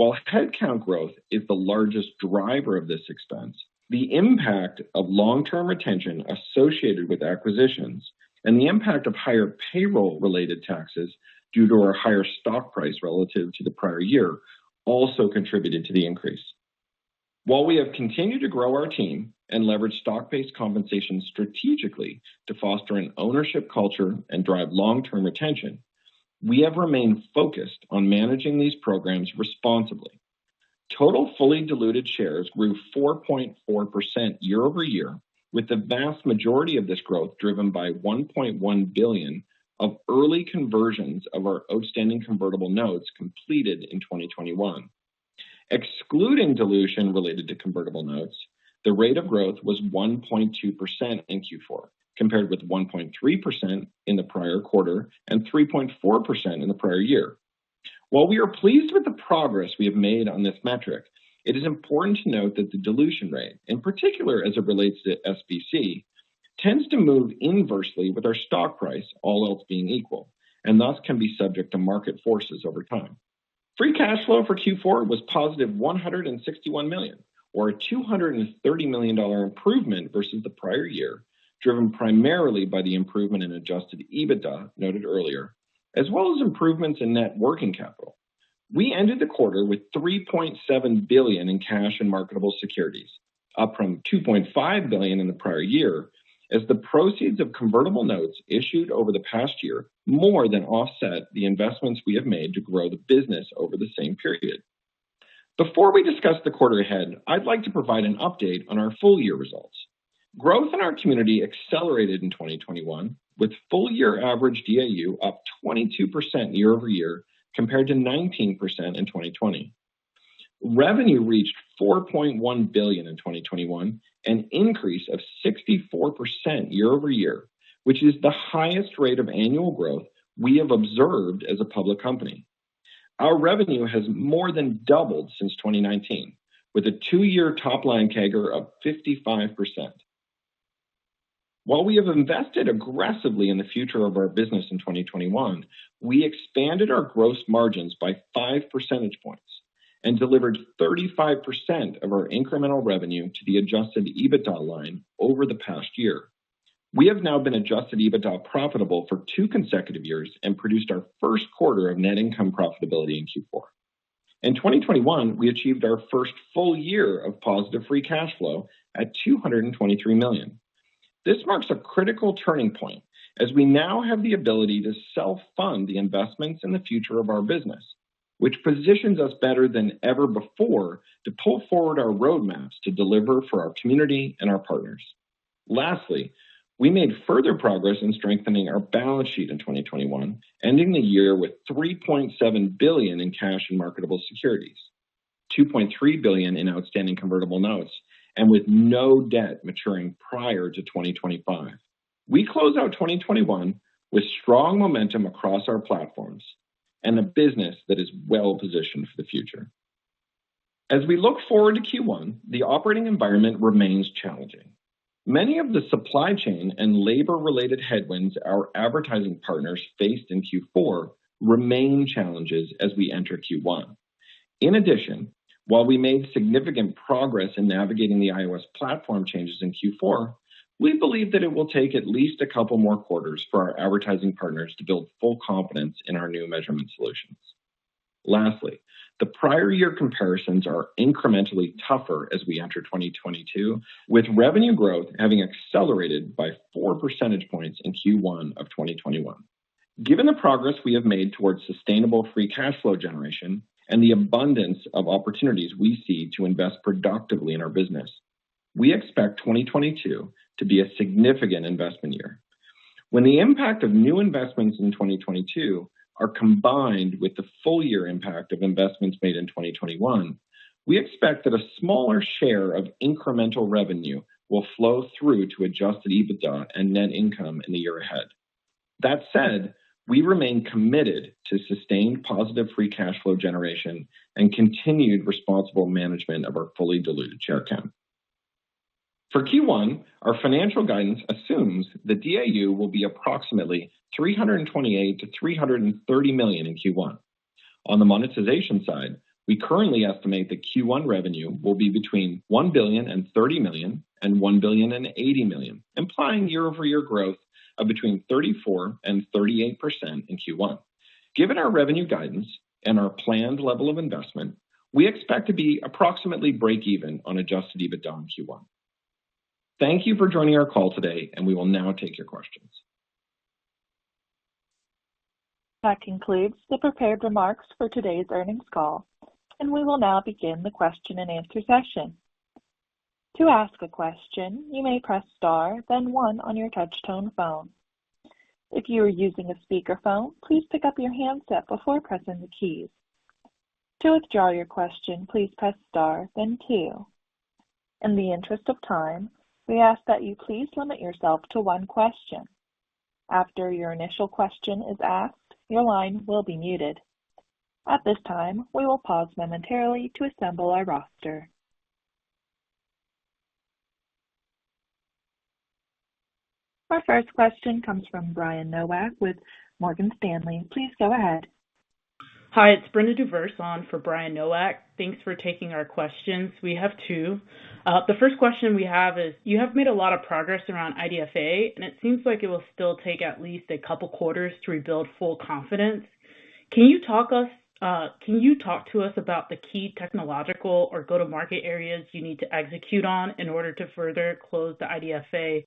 While headcount growth is the largest driver of this expense, the impact of long-term retention associated with acquisitions and the impact of higher payroll-related taxes due to our higher stock price relative to the prior year also contributed to the increase. While we have continued to grow our team and leverage stock-based compensation strategically to foster an ownership culture and drive long-term retention, we have remained focused on managing these programs responsibly. Total fully diluted shares grew 4.4% year-over-year, with the vast majority of this growth driven by 1.1 billion of early conversions of our outstanding convertible notes completed in 2021. Excluding dilution related to convertible notes, the rate of growth was 1.2% in Q4, compared with 1.3% in the prior quarter and 3.4% in the prior year. While we are pleased with the progress we have made on this metric, it is important to note that the dilution rate, in particular as it relates to SBC, tends to move inversely with our stock price, all else being equal, and thus can be subject to market forces over time. Free cash flow for Q4 was $161 million, or a $230 million improvement versus the prior year, driven primarily by the improvement in adjusted EBITDA noted earlier, as well as improvements in net working capital. We ended the quarter with $3.7 billion in cash and marketable securities, up from $2.5 billion in the prior year, as the proceeds of convertible notes issued over the past year more than offset the investments we have made to grow the business over the same period. Before we discuss the quarter ahead, I'd like to provide an update on our full year results. Growth in our community accelerated in 2021 with full year average DAU up 22% year-over-year, compared to 19% in 2020. Revenue reached $4.1 billion in 2021, an increase of 64% year-over-year, which is the highest rate of annual growth we have observed as a public company. Our revenue has more than doubled since 2019, with a two-year top-line CAGR of 55%. While we have invested aggressively in the future of our business in 2021, we expanded our gross margins by five percentage points and delivered 35% of our incremental revenue to the adjusted EBITDA line over the past year. We have now been adjusted EBITDA profitable for two consecutive years and produced our first quarter of net income profitability in Q4. In 2021, we achieved our first full year of positive free cash flow at $223 million. This marks a critical turning point as we now have the ability to self-fund the investments in the future of our business, which positions us better than ever before to pull forward our roadmaps to deliver for our community and our partners. Lastly, we made further progress in strengthening our balance sheet in 2021, ending the year with $3.7 billion in cash and marketable securities, $2.3 billion in outstanding convertible notes, and with no debt maturing prior to 2025. We close out 2021 with strong momentum across our platforms and a business that is well positioned for the future. As we look forward to Q1, the operating environment remains challenging. Many of the supply chain and labor-related headwinds our advertising partners faced in Q4 remain challenges as we enter Q1. In addition, while we made significant progress in navigating the iOS platform changes in Q4, we believe that it will take at least a couple more quarters for our advertising partners to build full confidence in our new measurement solutions. Lastly, the prior year comparisons are incrementally tougher as we enter 2022, with revenue growth having accelerated by four percentage points in Q1 of 2021. Given the progress we have made towards sustainable free cash flow generation and the abundance of opportunities we see to invest productively in our business, we expect 2022 to be a significant investment year. When the impact of new investments in 2022 are combined with the full year impact of investments made in 2021, we expect that a smaller share of incremental revenue will flow through to adjusted EBITDA and net income in the year ahead. That said, we remain committed to sustained positive free cash flow generation and continued responsible management of our fully diluted share count. For Q1, our financial guidance assumes that DAU will be approximately 328-330 million in Q1. On the monetization side, we currently estimate that Q1 revenue will be between $1.03 billion and $1.08 billion, implying year-over-year growth of between 34%-38% in Q1. Given our revenue guidance and our planned level of investment, we expect to be approximately break even on adjusted EBITDA in Q1. Thank you for joining our call today, and we will now take your questions. That concludes the prepared remarks for today's earnings call, and we will now begin the question-and-answer session. To ask a question, you may press star, then one on your touchtone phone. If you are using a speakerphone, please pick up your handset before pressing the keys. To withdraw your question, please press star then two. In the interest of time, we ask that you please limit yourself to one question. After your initial question is asked, your line will be muted. At this time, we will pause momentarily to assemble our roster. Our first question comes from Brian Nowak with Morgan Stanley. Please go ahead. Hi, it's Bennett Travers on for Brian Nowak. Thanks for taking our questions. We have two. The first question we have is: you have made a lot of progress around IDFA, and it seems like it will still take at least a couple quarters to rebuild full confidence. Can you talk to us about the key technological or go-to-market areas you need to execute on in order to further close the IDFA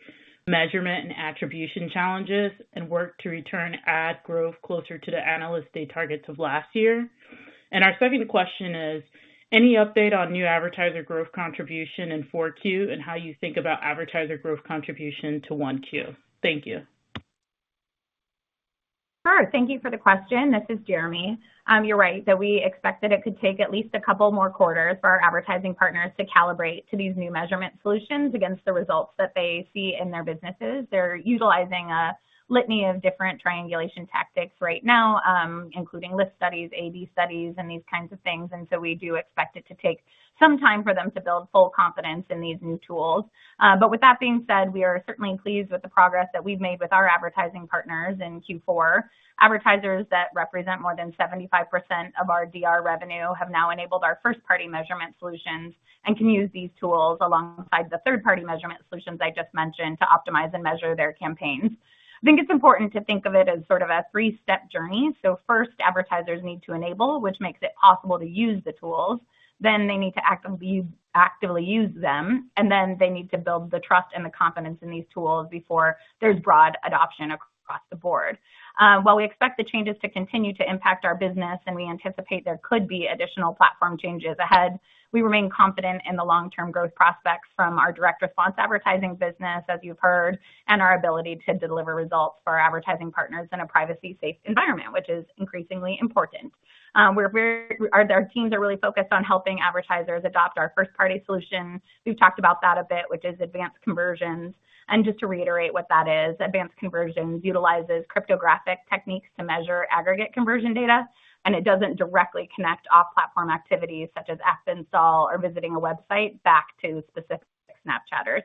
measurement and attribution challenges and work to return ad growth closer to the analyst day targets of last year? Our second question is: any update on new advertiser growth contribution in 4Q and how you think about advertiser growth contribution to 1Q? Thank you. Sure. Thank you for the question. This is Jeremi. You're right that we expect that it could take at least a couple more quarters for our advertising partners to calibrate to these new measurement solutions against the results that they see in their businesses. They're utilizing a litany of different triangulation tactics right now, including lift studies, AB studies, and these kinds of things. We do expect it to take some time for them to build full confidence in these new tools. But with that being said, we are certainly pleased with the progress that we've made with our advertising partners in Q4. Advertisers that represent more than 75% of our DR revenue have now enabled our first-party measurement solutions and can use these tools alongside the third-party measurement solutions I just mentioned to optimize and measure their campaigns. I think it's important to think of it as sort of a three-step journey. First, advertisers need to enable, which makes it possible to use the tools. They need to actively use them, and they need to build the trust and the confidence in these tools before there's broad adoption across the board. While we expect the changes to continue to impact our business and we anticipate there could be additional platform changes ahead, we remain confident in the long-term growth prospects from our direct response advertising business, as you've heard, and our ability to deliver results for our advertising partners in a privacy-safe environment, which is increasingly important. Our teams are really focused on helping advertisers adopt our first-party solutions. We've talked about that a bit, which is Advanced Conversions. Just to reiterate what that is, Advanced Conversions utilizes cryptographic techniques to measure aggregate conversion data, and it doesn't directly connect off-platform activities such as app install or visiting a website back to specific Snapchatters.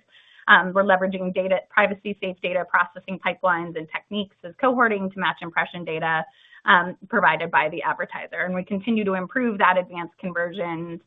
We're leveraging data, privacy-safe data processing pipelines and techniques such as cohorting to match impression data, provided by the advertiser. We continue to improve that Advanced Conversions,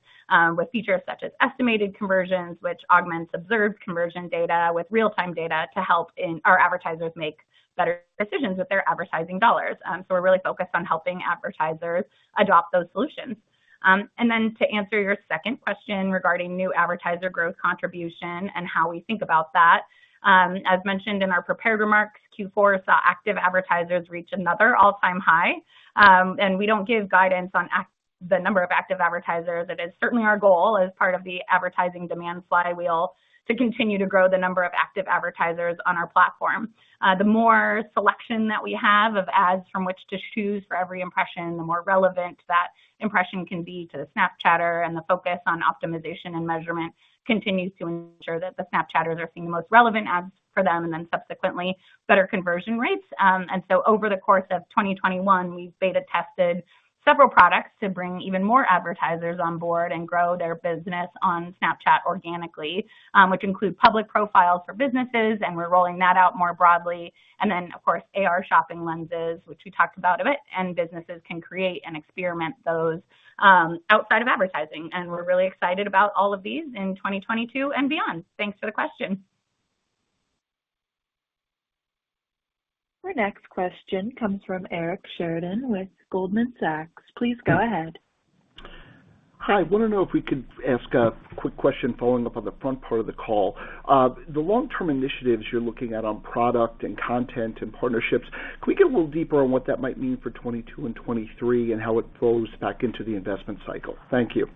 with features such as estimated conversions, which augments observed conversion data with real-time data to help our advertisers make better decisions with their advertising dollars. We're really focused on helping advertisers adopt those solutions. Then, to answer your second question regarding new advertiser growth contribution and how we think about that. As mentioned in our prepared remarks, Q4 saw active advertisers reach another all-time high. We don't give guidance on the number of active advertisers. It is certainly our goal as part of the advertising demand flywheel to continue to grow the number of active advertisers on our platform. The more selection that we have of ads from which to choose for every impression, the more relevant that impression can be to the Snapchatter, and the focus on optimization and measurement continues to ensure that the Snapchatters are seeing the most relevant ads for them, and then subsequently better conversion rates. Over the course of 2021, we've beta tested several products to bring even more advertisers on board and grow their business on Snapchat organically, which include public profiles for businesses, and we're rolling that out more broadly. Of course, AR shopping Lenses, which we talked about a bit, and businesses can create and experiment those, outside of advertising. We're really excited about all of these in 2022 and beyond. Thanks for the question. Our next question comes from Eric Sheridan with Goldman Sachs. Please go ahead. Hi. I want to know if we could ask a quick question following up on the front part of the call. The long-term initiatives you're looking at on product and content and partnerships, can we get a little deeper on what that might mean for 2022 and 2023 and how it flows back into the investment cycle? Thank you.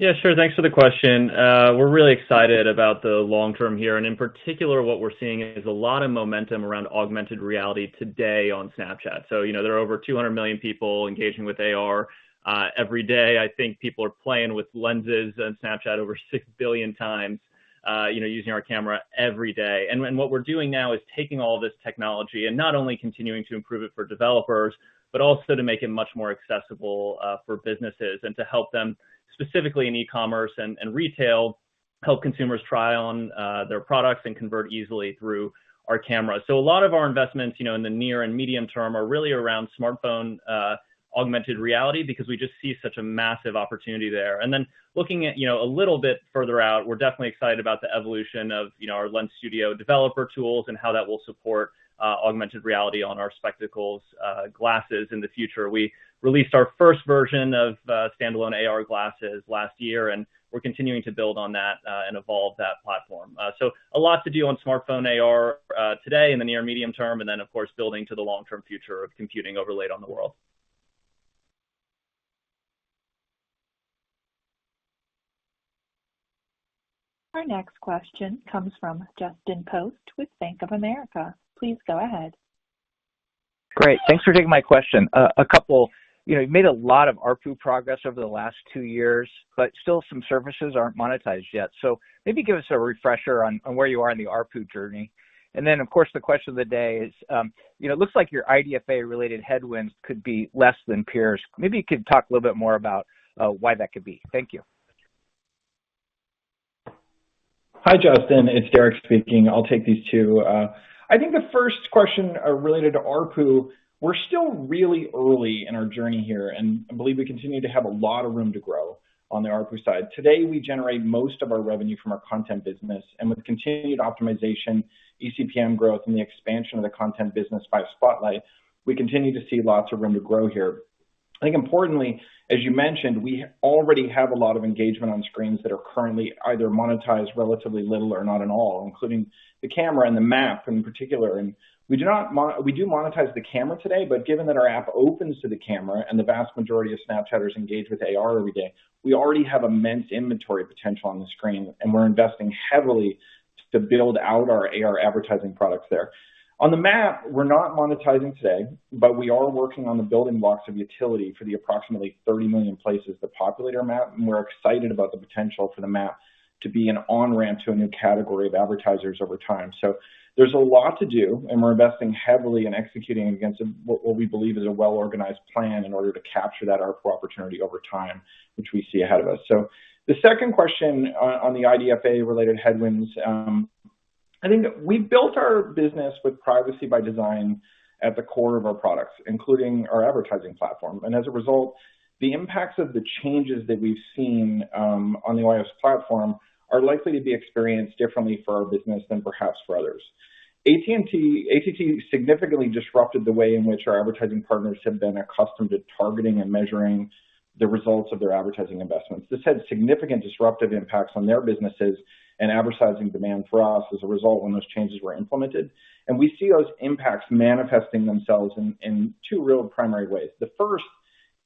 Yeah, sure. Thanks for the question. We're really excited about the long-term here. In particular, what we're seeing is a lot of momentum around augmented reality today on Snapchat. You know, there are over 200 million people engaging with AR every day. I think people are playing with Lenses on Snapchat over six billion times, you know, using our camera every day. What we're doing now is taking all this technology and not only continuing to improve it for developers, but also to make it much more accessible for businesses and to help them specifically in e-commerce and retail, help consumers try on their products and convert easily through our camera. A lot of our investments, you know, in the near and medium term are really around smartphone augmented reality because we just see such a massive opportunity there. Looking at, you know, a little bit further out, we're definitely excited about the evolution of, you know, our Lens Studio developer tools and how that will support augmented reality on our Spectacles glasses in the future. We released our first version of standalone AR glasses last year, and we're continuing to build on that and evolve that platform. A lot to do on smartphone AR today in the near, medium term, and then of course, building to the long-term future of computing overlaid on the world. Our next question comes from Justin Post with Bank of America. Please go ahead. Great. Thanks for taking my question. A couple. You know, you made a lot of ARPU progress over the last two years, but still some services aren't monetized yet. Maybe give us a refresher on where you are in the ARPU journey. Of course, the question of the day is, you know, it looks like your IDFA-related headwinds could be less than peers. Maybe you could talk a little bit more about why that could be. Thank you. Hi, Justin. It's Derek speaking. I'll take these two. I think the first question related to ARPU, we're still really early in our journey here, and I believe we continue to have a lot of room to grow on the ARPU side. Today, we generate most of our revenue from our content business, and with continued optimization, eCPM growth, and the expansion of the content business by Spotlight, we continue to see lots of room to grow here. I think importantly, as you mentioned, we already have a lot of engagement on screens that are currently either monetized relatively little or not at all, including the camera and the map in particular. We do monetize the camera today, but given that our app opens to the camera and the vast majority of Snapchatters engage with AR every day, we already have immense inventory potential on the screen, and we're investing heavily to build out our AR advertising products there. On the map, we're not monetizing today, but we are working on the building blocks of utility for the approximately 30 million places that populate our map, and we're excited about the potential for the map to be an on-ramp to a new category of advertisers over time. There's a lot to do, and we're investing heavily in executing against what we believe is a well-organized plan in order to capture that ARPU opportunity over time, which we see ahead of us. The second question on the IDFA-related headwinds, I think we've built our business with privacy by design at the core of our products, including our advertising platform. As a result, the impacts of the changes that we've seen on the iOS platform are likely to be experienced differently for our business than perhaps for others. ATT significantly disrupted the way in which our advertising partners have been accustomed to targeting and measuring the results of their advertising investments. This had significant disruptive impacts on their businesses and advertising demand for us as a result when those changes were implemented. We see those impacts manifesting themselves in two real primary ways. The first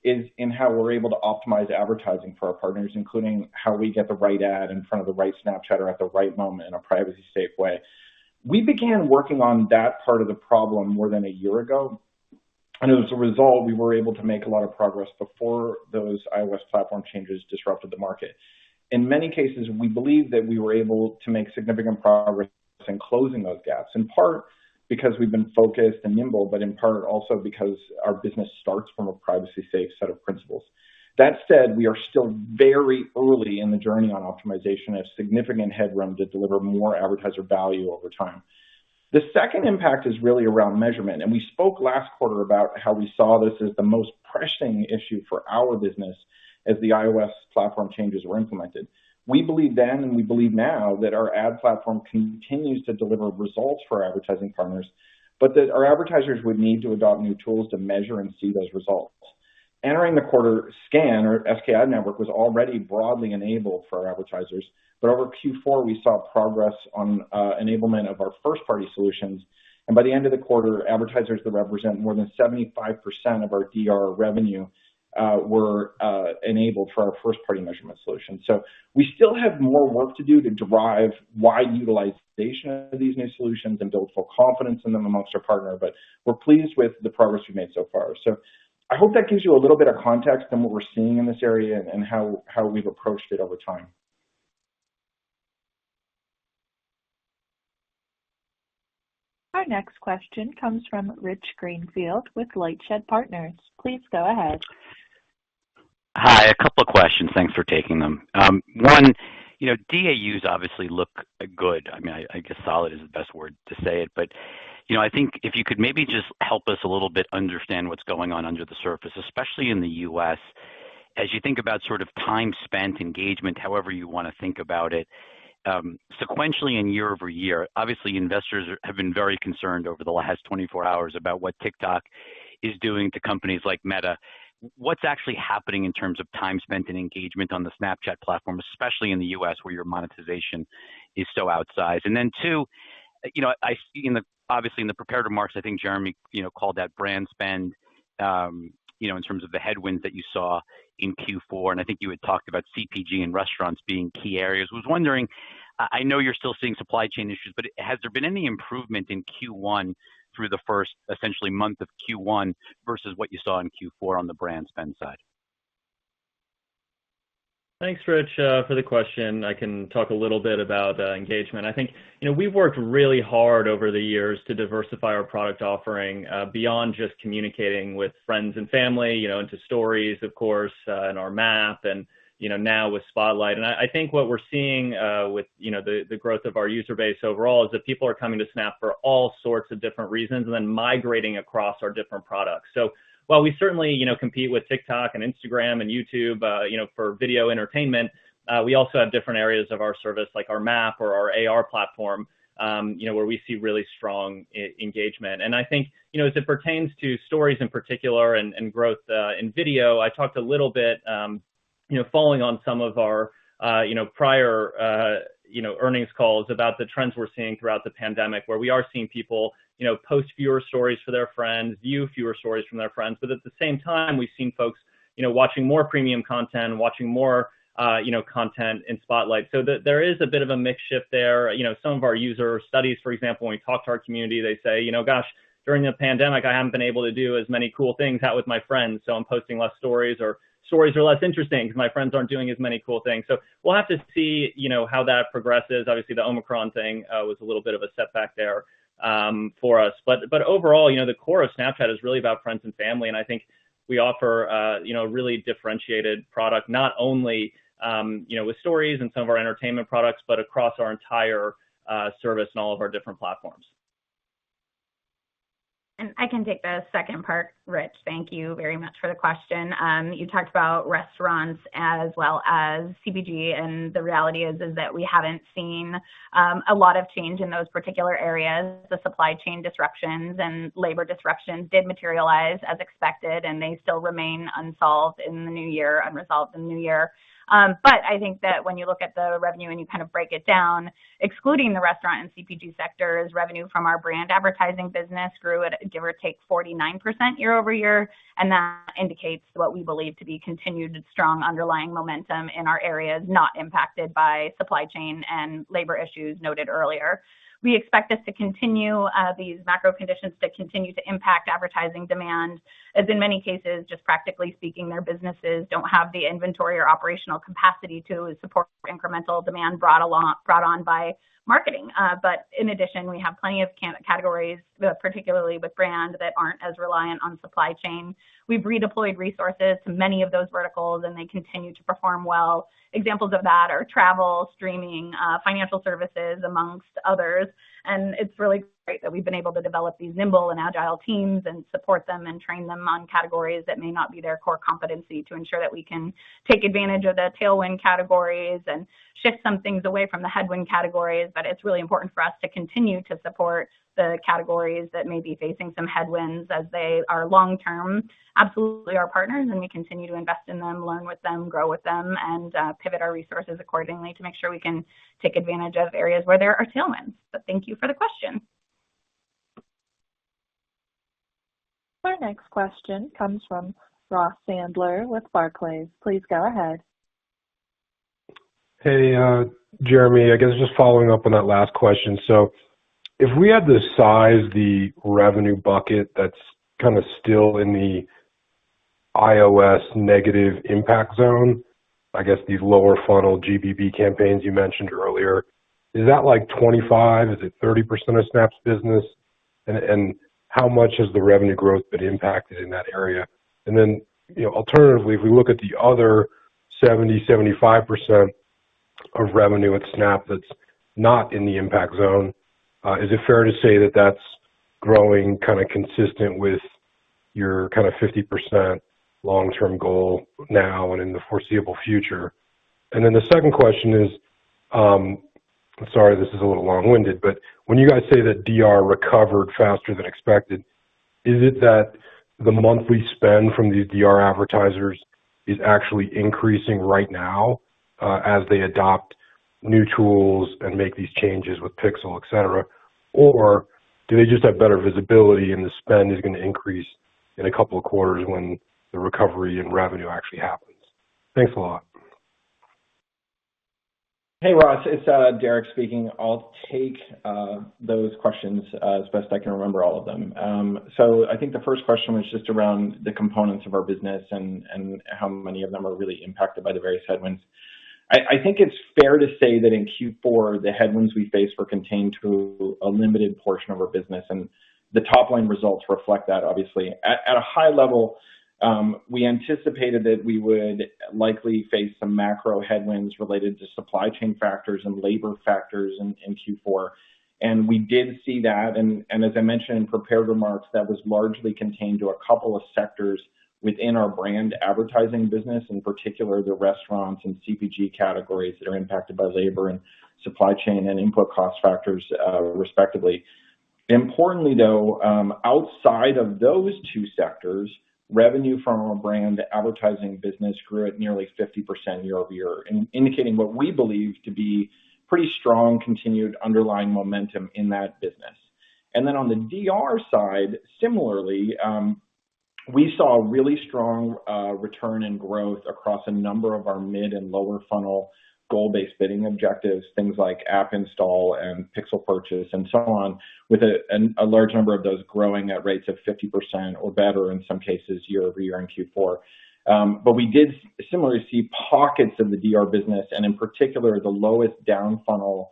is in how we're able to optimize advertising for our partners, including how we get the right ad in front of the right Snapchatter at the right moment in a privacy-safe way. We began working on that part of the problem more than a year ago, and as a result, we were able to make a lot of progress before those iOS platform changes disrupted the market. In many cases, we believe that we were able to make significant progress in closing those gaps, in part because we've been focused and nimble, but in part also because our business starts from a privacy-safe set of principles. That said, we are still very early in the journey on optimization and have significant headroom to deliver more advertiser value over time. The second impact is really around measurement, and we spoke last quarter about how we saw this as the most pressing issue for our business as the iOS platform changes were implemented. We believed then and we believe now that our ad platform continues to deliver results for our advertising partners, but that our advertisers would need to adopt new tools to measure and see those results. Entering the quarter, SKAdNetwork was already broadly enabled for our advertisers. Over Q4, we saw progress on enablement of our first-party solutions. By the end of the quarter, advertisers that represent more than 75% of our DR revenue were enabled for our first-party measurement solution. We still have more work to do to drive wide utilization of these new solutions and build full confidence in them amongst our partner, but we're pleased with the progress we've made so far. I hope that gives you a little bit of context on what we're seeing in this area and how we've approached it over time. Our next question comes from Rich Greenfield with LightShed Partners. Please go ahead. Hi. A couple of questions. Thanks for taking them. One, you know, DAUs obviously look good. I mean, I guess solid is the best word to say it, but, you know, I think if you could maybe just help us a little bit understand what's going on under the surface, especially in the U.S. As you think about sort of time spent engagement, however you wanna think about it, sequentially and year-over-year, obviously investors have been very concerned over the last 24 hours about what TikTok is doing to companies like Meta. What's actually happening in terms of time spent and engagement on the Snapchat platform, especially in the U.S. where your monetization is so outsized? Two, you know, I see in the obviously in the prepared remarks, I think Jeremi, you know, called that brand spend, you know, in terms of the headwinds that you saw in Q4, and I think you had talked about CPG and restaurants being key areas. Was wondering, I know you're still seeing supply chain issues, but has there been any improvement in Q1 through the first essentially month of Q1 versus what you saw in Q4 on the brand spend side? Thanks, Rich, for the question. I can talk a little bit about engagement. I think, you know, we've worked really hard over the years to diversify our product offering beyond just communicating with friends and family, you know, into Stories, of course, in our Map and, you know, now with Spotlight. I think what we're seeing with, you know, the growth of our user base overall is that people are coming to Snap for all sorts of different reasons and then migrating across our different products. While we certainly, you know, compete with TikTok and Instagram and YouTube, you know, for video entertainment, we also have different areas of our service, like our Map or our AR platform, you know, where we see really strong engagement. I think, you know, as it pertains to Stories in particular and growth in video, I talked a little bit, you know, following on some of our prior earnings calls about the trends we're seeing throughout the pandemic, where we are seeing people, you know, post fewer stories for their friends, view fewer stories from their friends. But at the same time, we've seen folks, you know, watching more premium content and watching more content in Spotlight. There is a bit of a mix shift there. You know, some of our user studies, for example, when we talk to our community, they say, "You know, gosh, during the pandemic, I haven't been able to do as many cool things, hang out with my friends, so I'm posting less stories or stories are less interesting because my friends aren't doing as many cool things." We'll have to see, you know, how that progresses. Obviously, the Omicron thing was a little bit of a setback there for us. But overall, you know, the core of Snapchat is really about friends and family, and I think we offer, you know, really differentiated product, not only, you know, with Stories and some of our entertainment products, but across our entire service and all of our different platforms. I can take the second part, Rich. Thank you very much for the question. You talked about restaurants as well as CPG, and the reality is that we haven't seen a lot of change in those particular areas. The supply chain disruptions and labor disruptions did materialize as expected, and they still remain unresolved in the new year. But I think that when you look at the revenue, and you kind of break it down, excluding the restaurant and CPG sectors, revenue from our brand advertising business grew at give or take 49% year-over-year, and that indicates what we believe to be continued strong underlying momentum in our areas not impacted by supply chain and labor issues noted earlier. We expect this to continue, these macro conditions to continue to impact advertising demand, as in many cases, just practically speaking, their businesses don't have the inventory or operational capacity to support incremental demand brought on by marketing. But in addition, we have plenty of categories, particularly with brand, that aren't as reliant on supply chain. We've redeployed resources to many of those verticals, and they continue to perform well. Examples of that are travel, streaming, financial services, amongst others. It's really great that we've been able to develop these nimble and agile teams and support them and train them on categories that may not be their core competency to ensure that we can take advantage of the tailwind categories and shift some things away from the headwind categories. It's really important for us to continue to support the categories that may be facing some headwinds as they are long-term absolutely our partners, and we continue to invest in them, learn with them, grow with them, and pivot our resources accordingly to make sure we can take advantage of areas where there are tailwinds. Thank you for the question. Our next question comes from Ross Sandler with Barclays. Please go ahead. Hey, Jeremi, I guess just following up on that last question. So if we had to size the revenue bucket that's kind of still in the iOS negative impact zone, I guess these lower funnel GBB campaigns you mentioned earlier, is that like 25%? Is it 30% of Snap's business? And how much has the revenue growth been impacted in that area? And then, you know, alternatively, if we look at the other 70%-75% of revenue at Snap that's not in the impact zone, is it fair to say that that's growing kind of consistent with your kind of 50% long-term goal now and in the foreseeable future? The second question is, sorry, this is a little long-winded, but when you guys say that DR recovered faster than expected, is it that the monthly spend from these DR advertisers is actually increasing right now, as they adopt new tools and make these changes with Pixel, et cetera? Or do they just have better visibility and the spend is gonna increase in a couple of quarters when the recovery and revenue actually happens? Thanks a lot. Hey, Ross. It's Derek speaking. I'll take those questions as best I can remember all of them. So I think the first question was just around the components of our business and how many of them are really impacted by the various headwinds. I think it's fair to say that in Q4 the headwinds we faced were contained to a limited portion of our business, and the top-line results reflect that obviously. At a high level, we anticipated that we would likely face some macro headwinds related to supply chain factors and labor factors in Q4. We did see that. As I mentioned in prepared remarks, that was largely contained to a couple of sectors within our brand advertising business, in particular the restaurants and CPG categories that are impacted by labor and supply chain and input cost factors, respectively. Importantly though, outside of those two sectors, revenue from our brand advertising business grew at nearly 50% year-over-year, indicating what we believe to be pretty strong continued underlying momentum in that business. Then on the DR side, similarly, we saw a really strong return and growth across a number of our mid and lower funnel goal-based bidding objectives, things like app install and pixel purchase, and so on, with a large number of those growing at rates of 50% or better in some cases year-over-year in Q4. We did similarly see pockets of the DR business, and in particular, the lowest down funnel,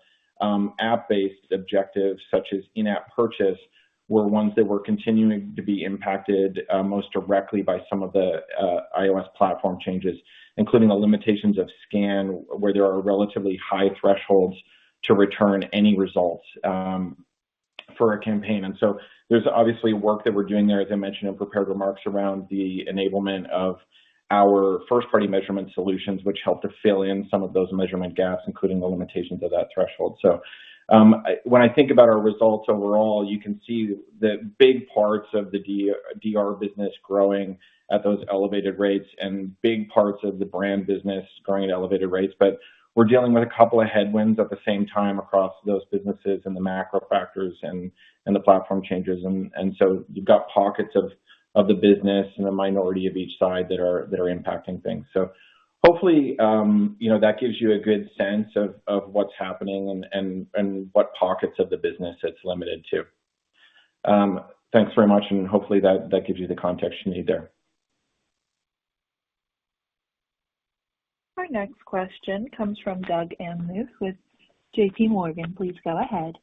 app-based objectives such as in-app purchase, were ones that were continuing to be impacted most directly by some of the iOS platform changes, including the limitations of SKAN, where there are relatively high thresholds to return any results for a campaign. There's obviously work that we're doing there, as I mentioned in prepared remarks, around the enablement of our first-party measurement solutions, which help to fill in some of those measurement gaps, including the limitations of that threshold. When I think about our results overall, you can see the big parts of the DR business growing at those elevated rates and big parts of the brand business growing at elevated rates. We're dealing with a couple of headwinds at the same time across those businesses and the macro factors and the platform changes. You've got pockets of the business and a minority of each side that are impacting things. Hopefully, you know, that gives you a good sense of what's happening and what pockets of the business it's limited to. Thanks very much, and hopefully that gives you the context you need there. Our next question comes from Doug Anmuth with JPMorgan. Please go ahead.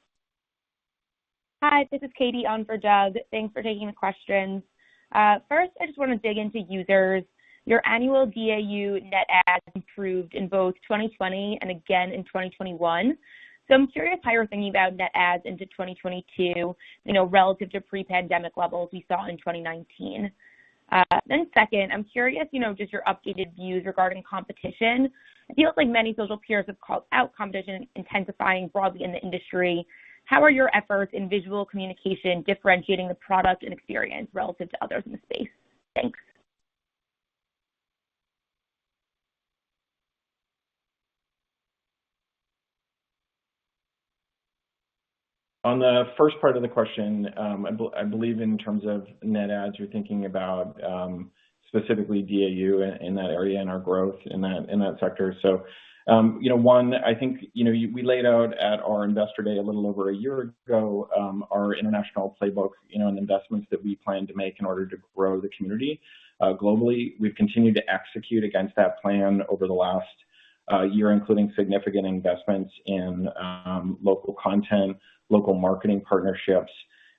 Hi, this is Katie on for Doug. Thanks for taking the questions. First, I just wanna dig into users. Your annual DAU net ads improved in both 2020 and again in 2021. I'm curious how you're thinking about net ads into 2022, you know, relative to pre-pandemic levels we saw in 2019. Second, I'm curious, you know, just your updated views regarding competition. I feel like many social peers have called out competition intensifying broadly in the industry. How are your efforts in visual communication differentiating the product and experience relative to others in the space? Thanks. On the first part of the question, I believe in terms of net ads, you're thinking about specifically DAU in that area and our growth in that sector. You know, one, I think you know we laid out at our Investor Day a little over a year ago our international playbook, you know, and investments that we plan to make in order to grow the community. Globally, we've continued to execute against that plan over the last year, including significant investments in local content, local marketing partnerships,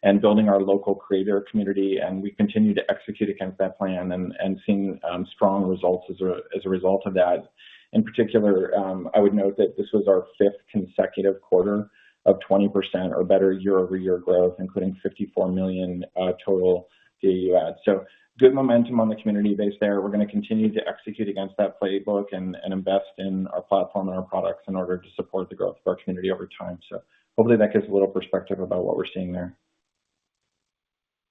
and building our local creator community, and we continue to execute against that plan and seeing strong results as a result of that. In particular, I would note that this was our fifth consecutive quarter of 20% or better year-over-year growth, including 54 million total DAU ads. Good momentum on the community base there. We're gonna continue to execute against that playbook and invest in our platform and our products in order to support the growth of our community over time. Hopefully that gives a little perspective about what we're seeing there.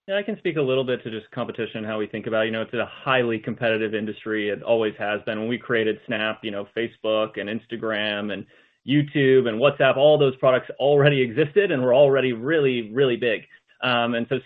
Yeah, I can speak a little bit to just competition and how we think about it. You know, it's a highly competitive industry. It always has been. When we created Snap, you know, Facebook and Instagram and YouTube and WhatsApp, all those products already existed and were already really, really big.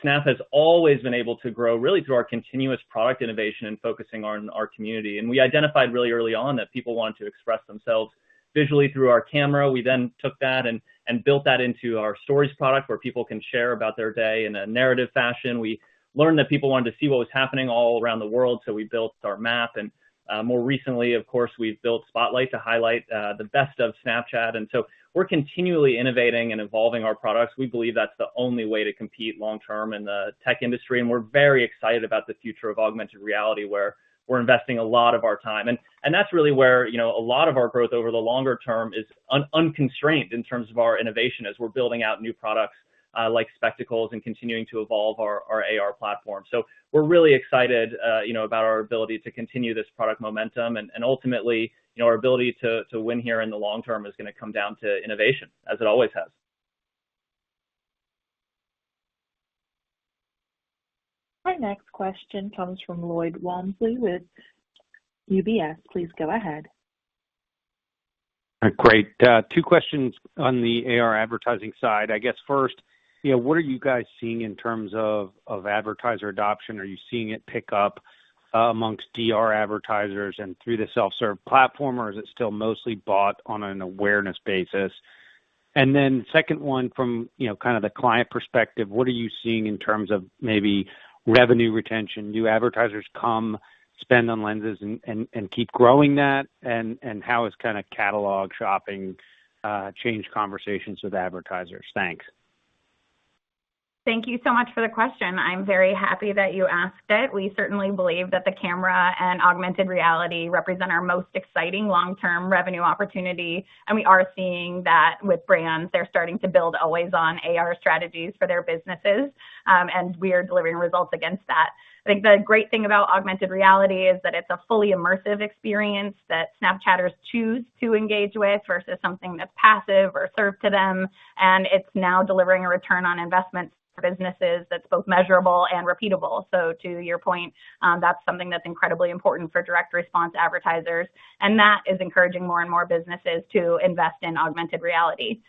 Snap has always been able to grow really through our continuous product innovation and focusing on our community. We identified really early on that people wanted to express themselves visually through our camera. We then took that and built that into our Stories product, where people can share about their day in a narrative fashion. We learned that people wanted to see what was happening all around the world, so we built our Map. More recently, of course, we've built Spotlight to highlight the best of Snapchat. We're continually innovating and evolving our products. We believe that's the only way to compete long term in the tech industry. We're very excited about the future of augmented reality, where we're investing a lot of our time. That's really where, you know, a lot of our growth over the longer term is unconstrained in terms of our innovation as we're building out new products, like Spectacles and continuing to evolve our AR platform. We're really excited, you know, about our ability to continue this product momentum. Ultimately, you know, our ability to win here in the long term is gonna come down to innovation, as it always has. Our next question comes from Lloyd Walmsley with UBS. Please go ahead. Great. Two questions on the AR advertising side. I guess first, you know, what are you guys seeing in terms of advertiser adoption? Are you seeing it pick up amongst DR advertisers and through the self-serve platform, or is it still mostly bought on an awareness basis? And then second one, from you know, kind of the client perspective, what are you seeing in terms of maybe revenue retention? Do advertisers come spend on lenses and keep growing that? And how is kind of catalog shopping changed conversations with advertisers? Thanks. Thank you so much for the question. I'm very happy that you asked it. We certainly believe that the camera and augmented reality represent our most exciting long-term revenue opportunity, and we are seeing that with brands. They're starting to build always-on AR strategies for their businesses, and we are delivering results against that. I think the great thing about augmented reality is that it's a fully immersive experience that Snapchatters choose to engage with versus something that's passive or served to them, and it's now delivering a return on investment for businesses that's both measurable and repeatable. To your point, that's something that's incredibly important for direct response advertisers, and that is encouraging more and more businesses to invest in augmented reality.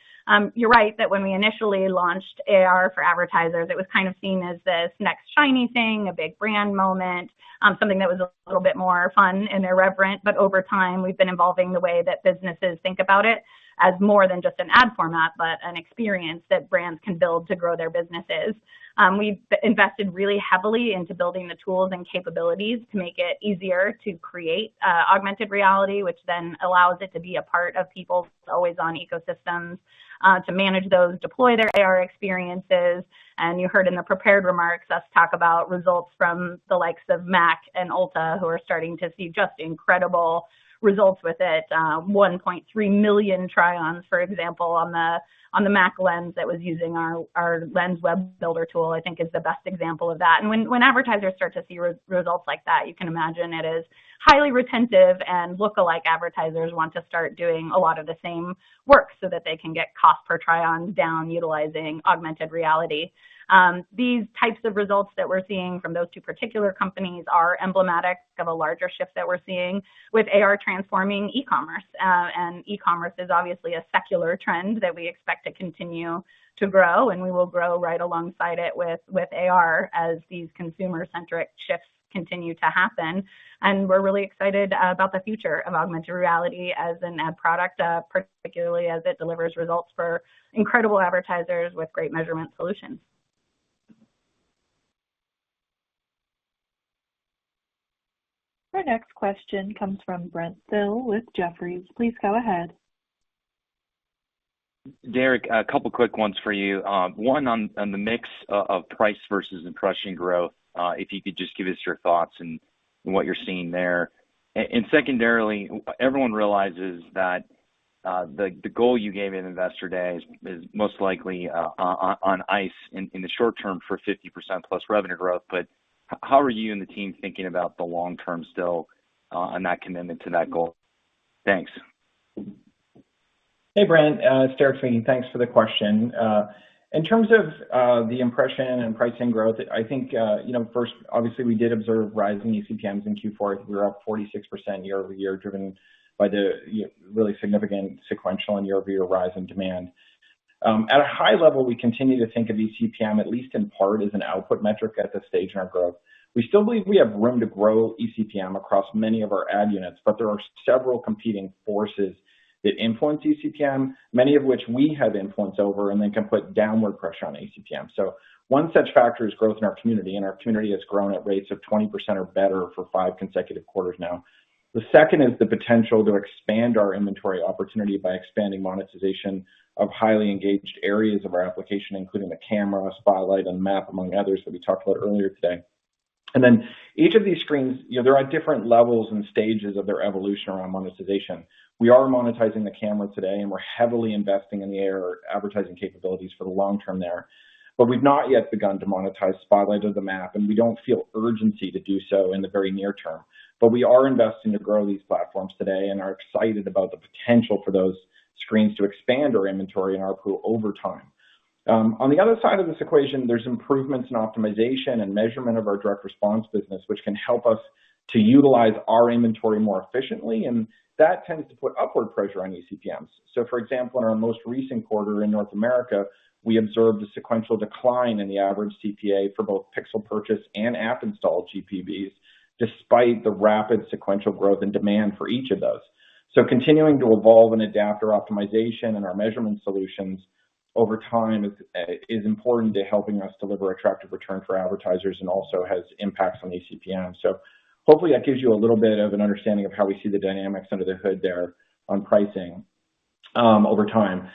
You're right that when we initially launched AR for advertisers, it was kind of seen as this next shiny thing, a big brand moment, something that was a little bit more fun and irreverent. Over time, we've been evolving the way that businesses think about it as more than just an ad format, but an experience that brands can build to grow their businesses. We've invested really heavily into building the tools and capabilities to make it easier to create augmented reality, which then allows it to be a part of people's always-on ecosystems, to manage those, deploy their AR experiences. You heard in the prepared remarks us talk about results from the likes of MAC and Ulta who are starting to see just incredible results with it. 1.3 million try-ons, for example, on the MAC Lens that was using our Lens Web Builder tool, I think is the best example of that. When advertisers start to see results like that, you can imagine it is highly retentive and look-alike advertisers want to start doing a lot of the same work so that they can get cost per try-ons down utilizing augmented reality. These types of results that we're seeing from those two particular companies are emblematic of a larger shift that we're seeing with AR transforming e-commerce. E-commerce is obviously a secular trend that we expect to continue to grow, and we will grow right alongside it with AR as these consumer-centric shifts continue to happen. We're really excited about the future of augmented reality as an ad product, particularly as it delivers results for incredible advertisers with great measurement solutions. Our next question comes from Brent Thill with Jefferies. Please go ahead. Derek, a couple quick ones for you. One on the mix of price versus impression growth, if you could just give us your thoughts and what you're seeing there. Secondarily, everyone realizes that the goal you gave at Investor Day is most likely on ice in the short term for 50%+ revenue growth. How are you and the team thinking about the long term still, on that commitment to that goal? Thanks. Hey, Brent. It's Derek. Thanks for the question. In terms of the impression and pricing growth, I think you know, first, obviously we did observe rising eCPMs in Q4. We were up 46% year-over-year, driven by the you know, really significant sequential and year-over-year rise in demand. At a high level, we continue to think of eCPM, at least in part, as an output metric at this stage in our growth. We still believe we have room to grow eCPM across many of our ad units, but there are several competing forces that influence eCPM, many of which we have influence over and they can put downward pressure on eCPM. One such factor is growth in our community, and our community has grown at rates of 20% or better for five consecutive quarters now. The second is the potential to expand our inventory opportunity by expanding monetization of highly engaged areas of our application, including the camera, Spotlight, and Map, among others that we talked about earlier today. Then each of these screens, you know, they're at different levels and stages of their evolution around monetization. We are monetizing the camera today, and we're heavily investing in the AR advertising capabilities for the long term there. We've not yet begun to monetize Spotlight or the Map, and we don't feel urgency to do so in the very near term. We are investing to grow these platforms today and are excited about the potential for those screens to expand our inventory and ARPU over time. On the other side of this equation, there's improvements in optimization and measurement of our direct response business, which can help us to utilize our inventory more efficiently, and that tends to put upward pressure on eCPMs. For example, in our most recent quarter in North America, we observed a sequential decline in the average CPA for both Pixel purchase and app install GBBs, despite the rapid sequential growth and demand for each of those. Continuing to evolve and adapt our optimization and our measurement solutions over time is important to helping us deliver attractive return for advertisers and also has impacts on eCPMs. Hopefully that gives you a little bit of an understanding of how we see the dynamics under the hood there on pricing over time.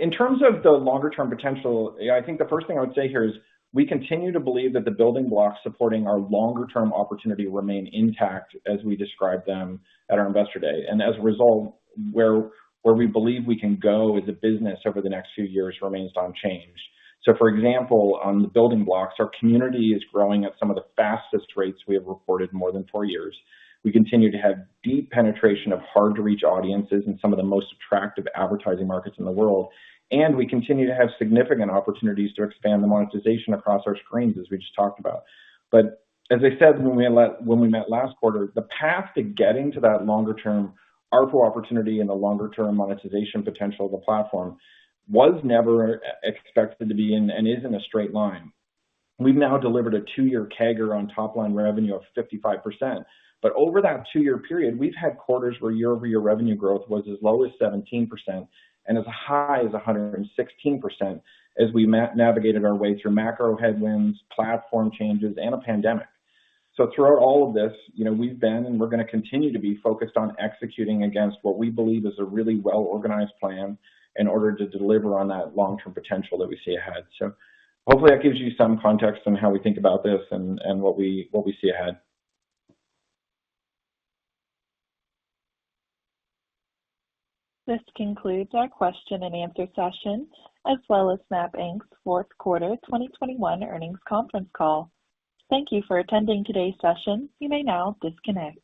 In terms of the longer term potential, yeah, I think the first thing I would say here is we continue to believe that the building blocks supporting our longer term opportunity remain intact as we described them at our Investor Day. As a result, where we believe we can go as a business over the next few years remains unchanged. For example, on the building blocks, our community is growing at some of the fastest rates we have reported in more than four years. We continue to have deep penetration of hard-to-reach audiences in some of the most attractive advertising markets in the world. We continue to have significant opportunities to expand the monetization across our screens, as we just talked about. As I said when we met last quarter, the path to getting to that longer term ARPU opportunity and the longer term monetization potential of the platform was never expected to be in and is in a straight line. We've now delivered a two-year CAGR on top-line revenue of 55%. Over that two-year period, we've had quarters where year-over-year revenue growth was as low as 17% and as high as 116% as we navigated our way through macro headwinds, platform changes, and a pandemic. Throughout all of this, you know, we've been and we're gonna continue to be focused on executing against what we believe is a really well-organized plan in order to deliver on that long-term potential that we see ahead. Hopefully that gives you some context on how we think about this and what we see ahead. This concludes our question and answer session, as well as Snap Inc.'s Fourth Quarter 2021 earnings conference call. Thank you for attending today's session. You may now disconnect.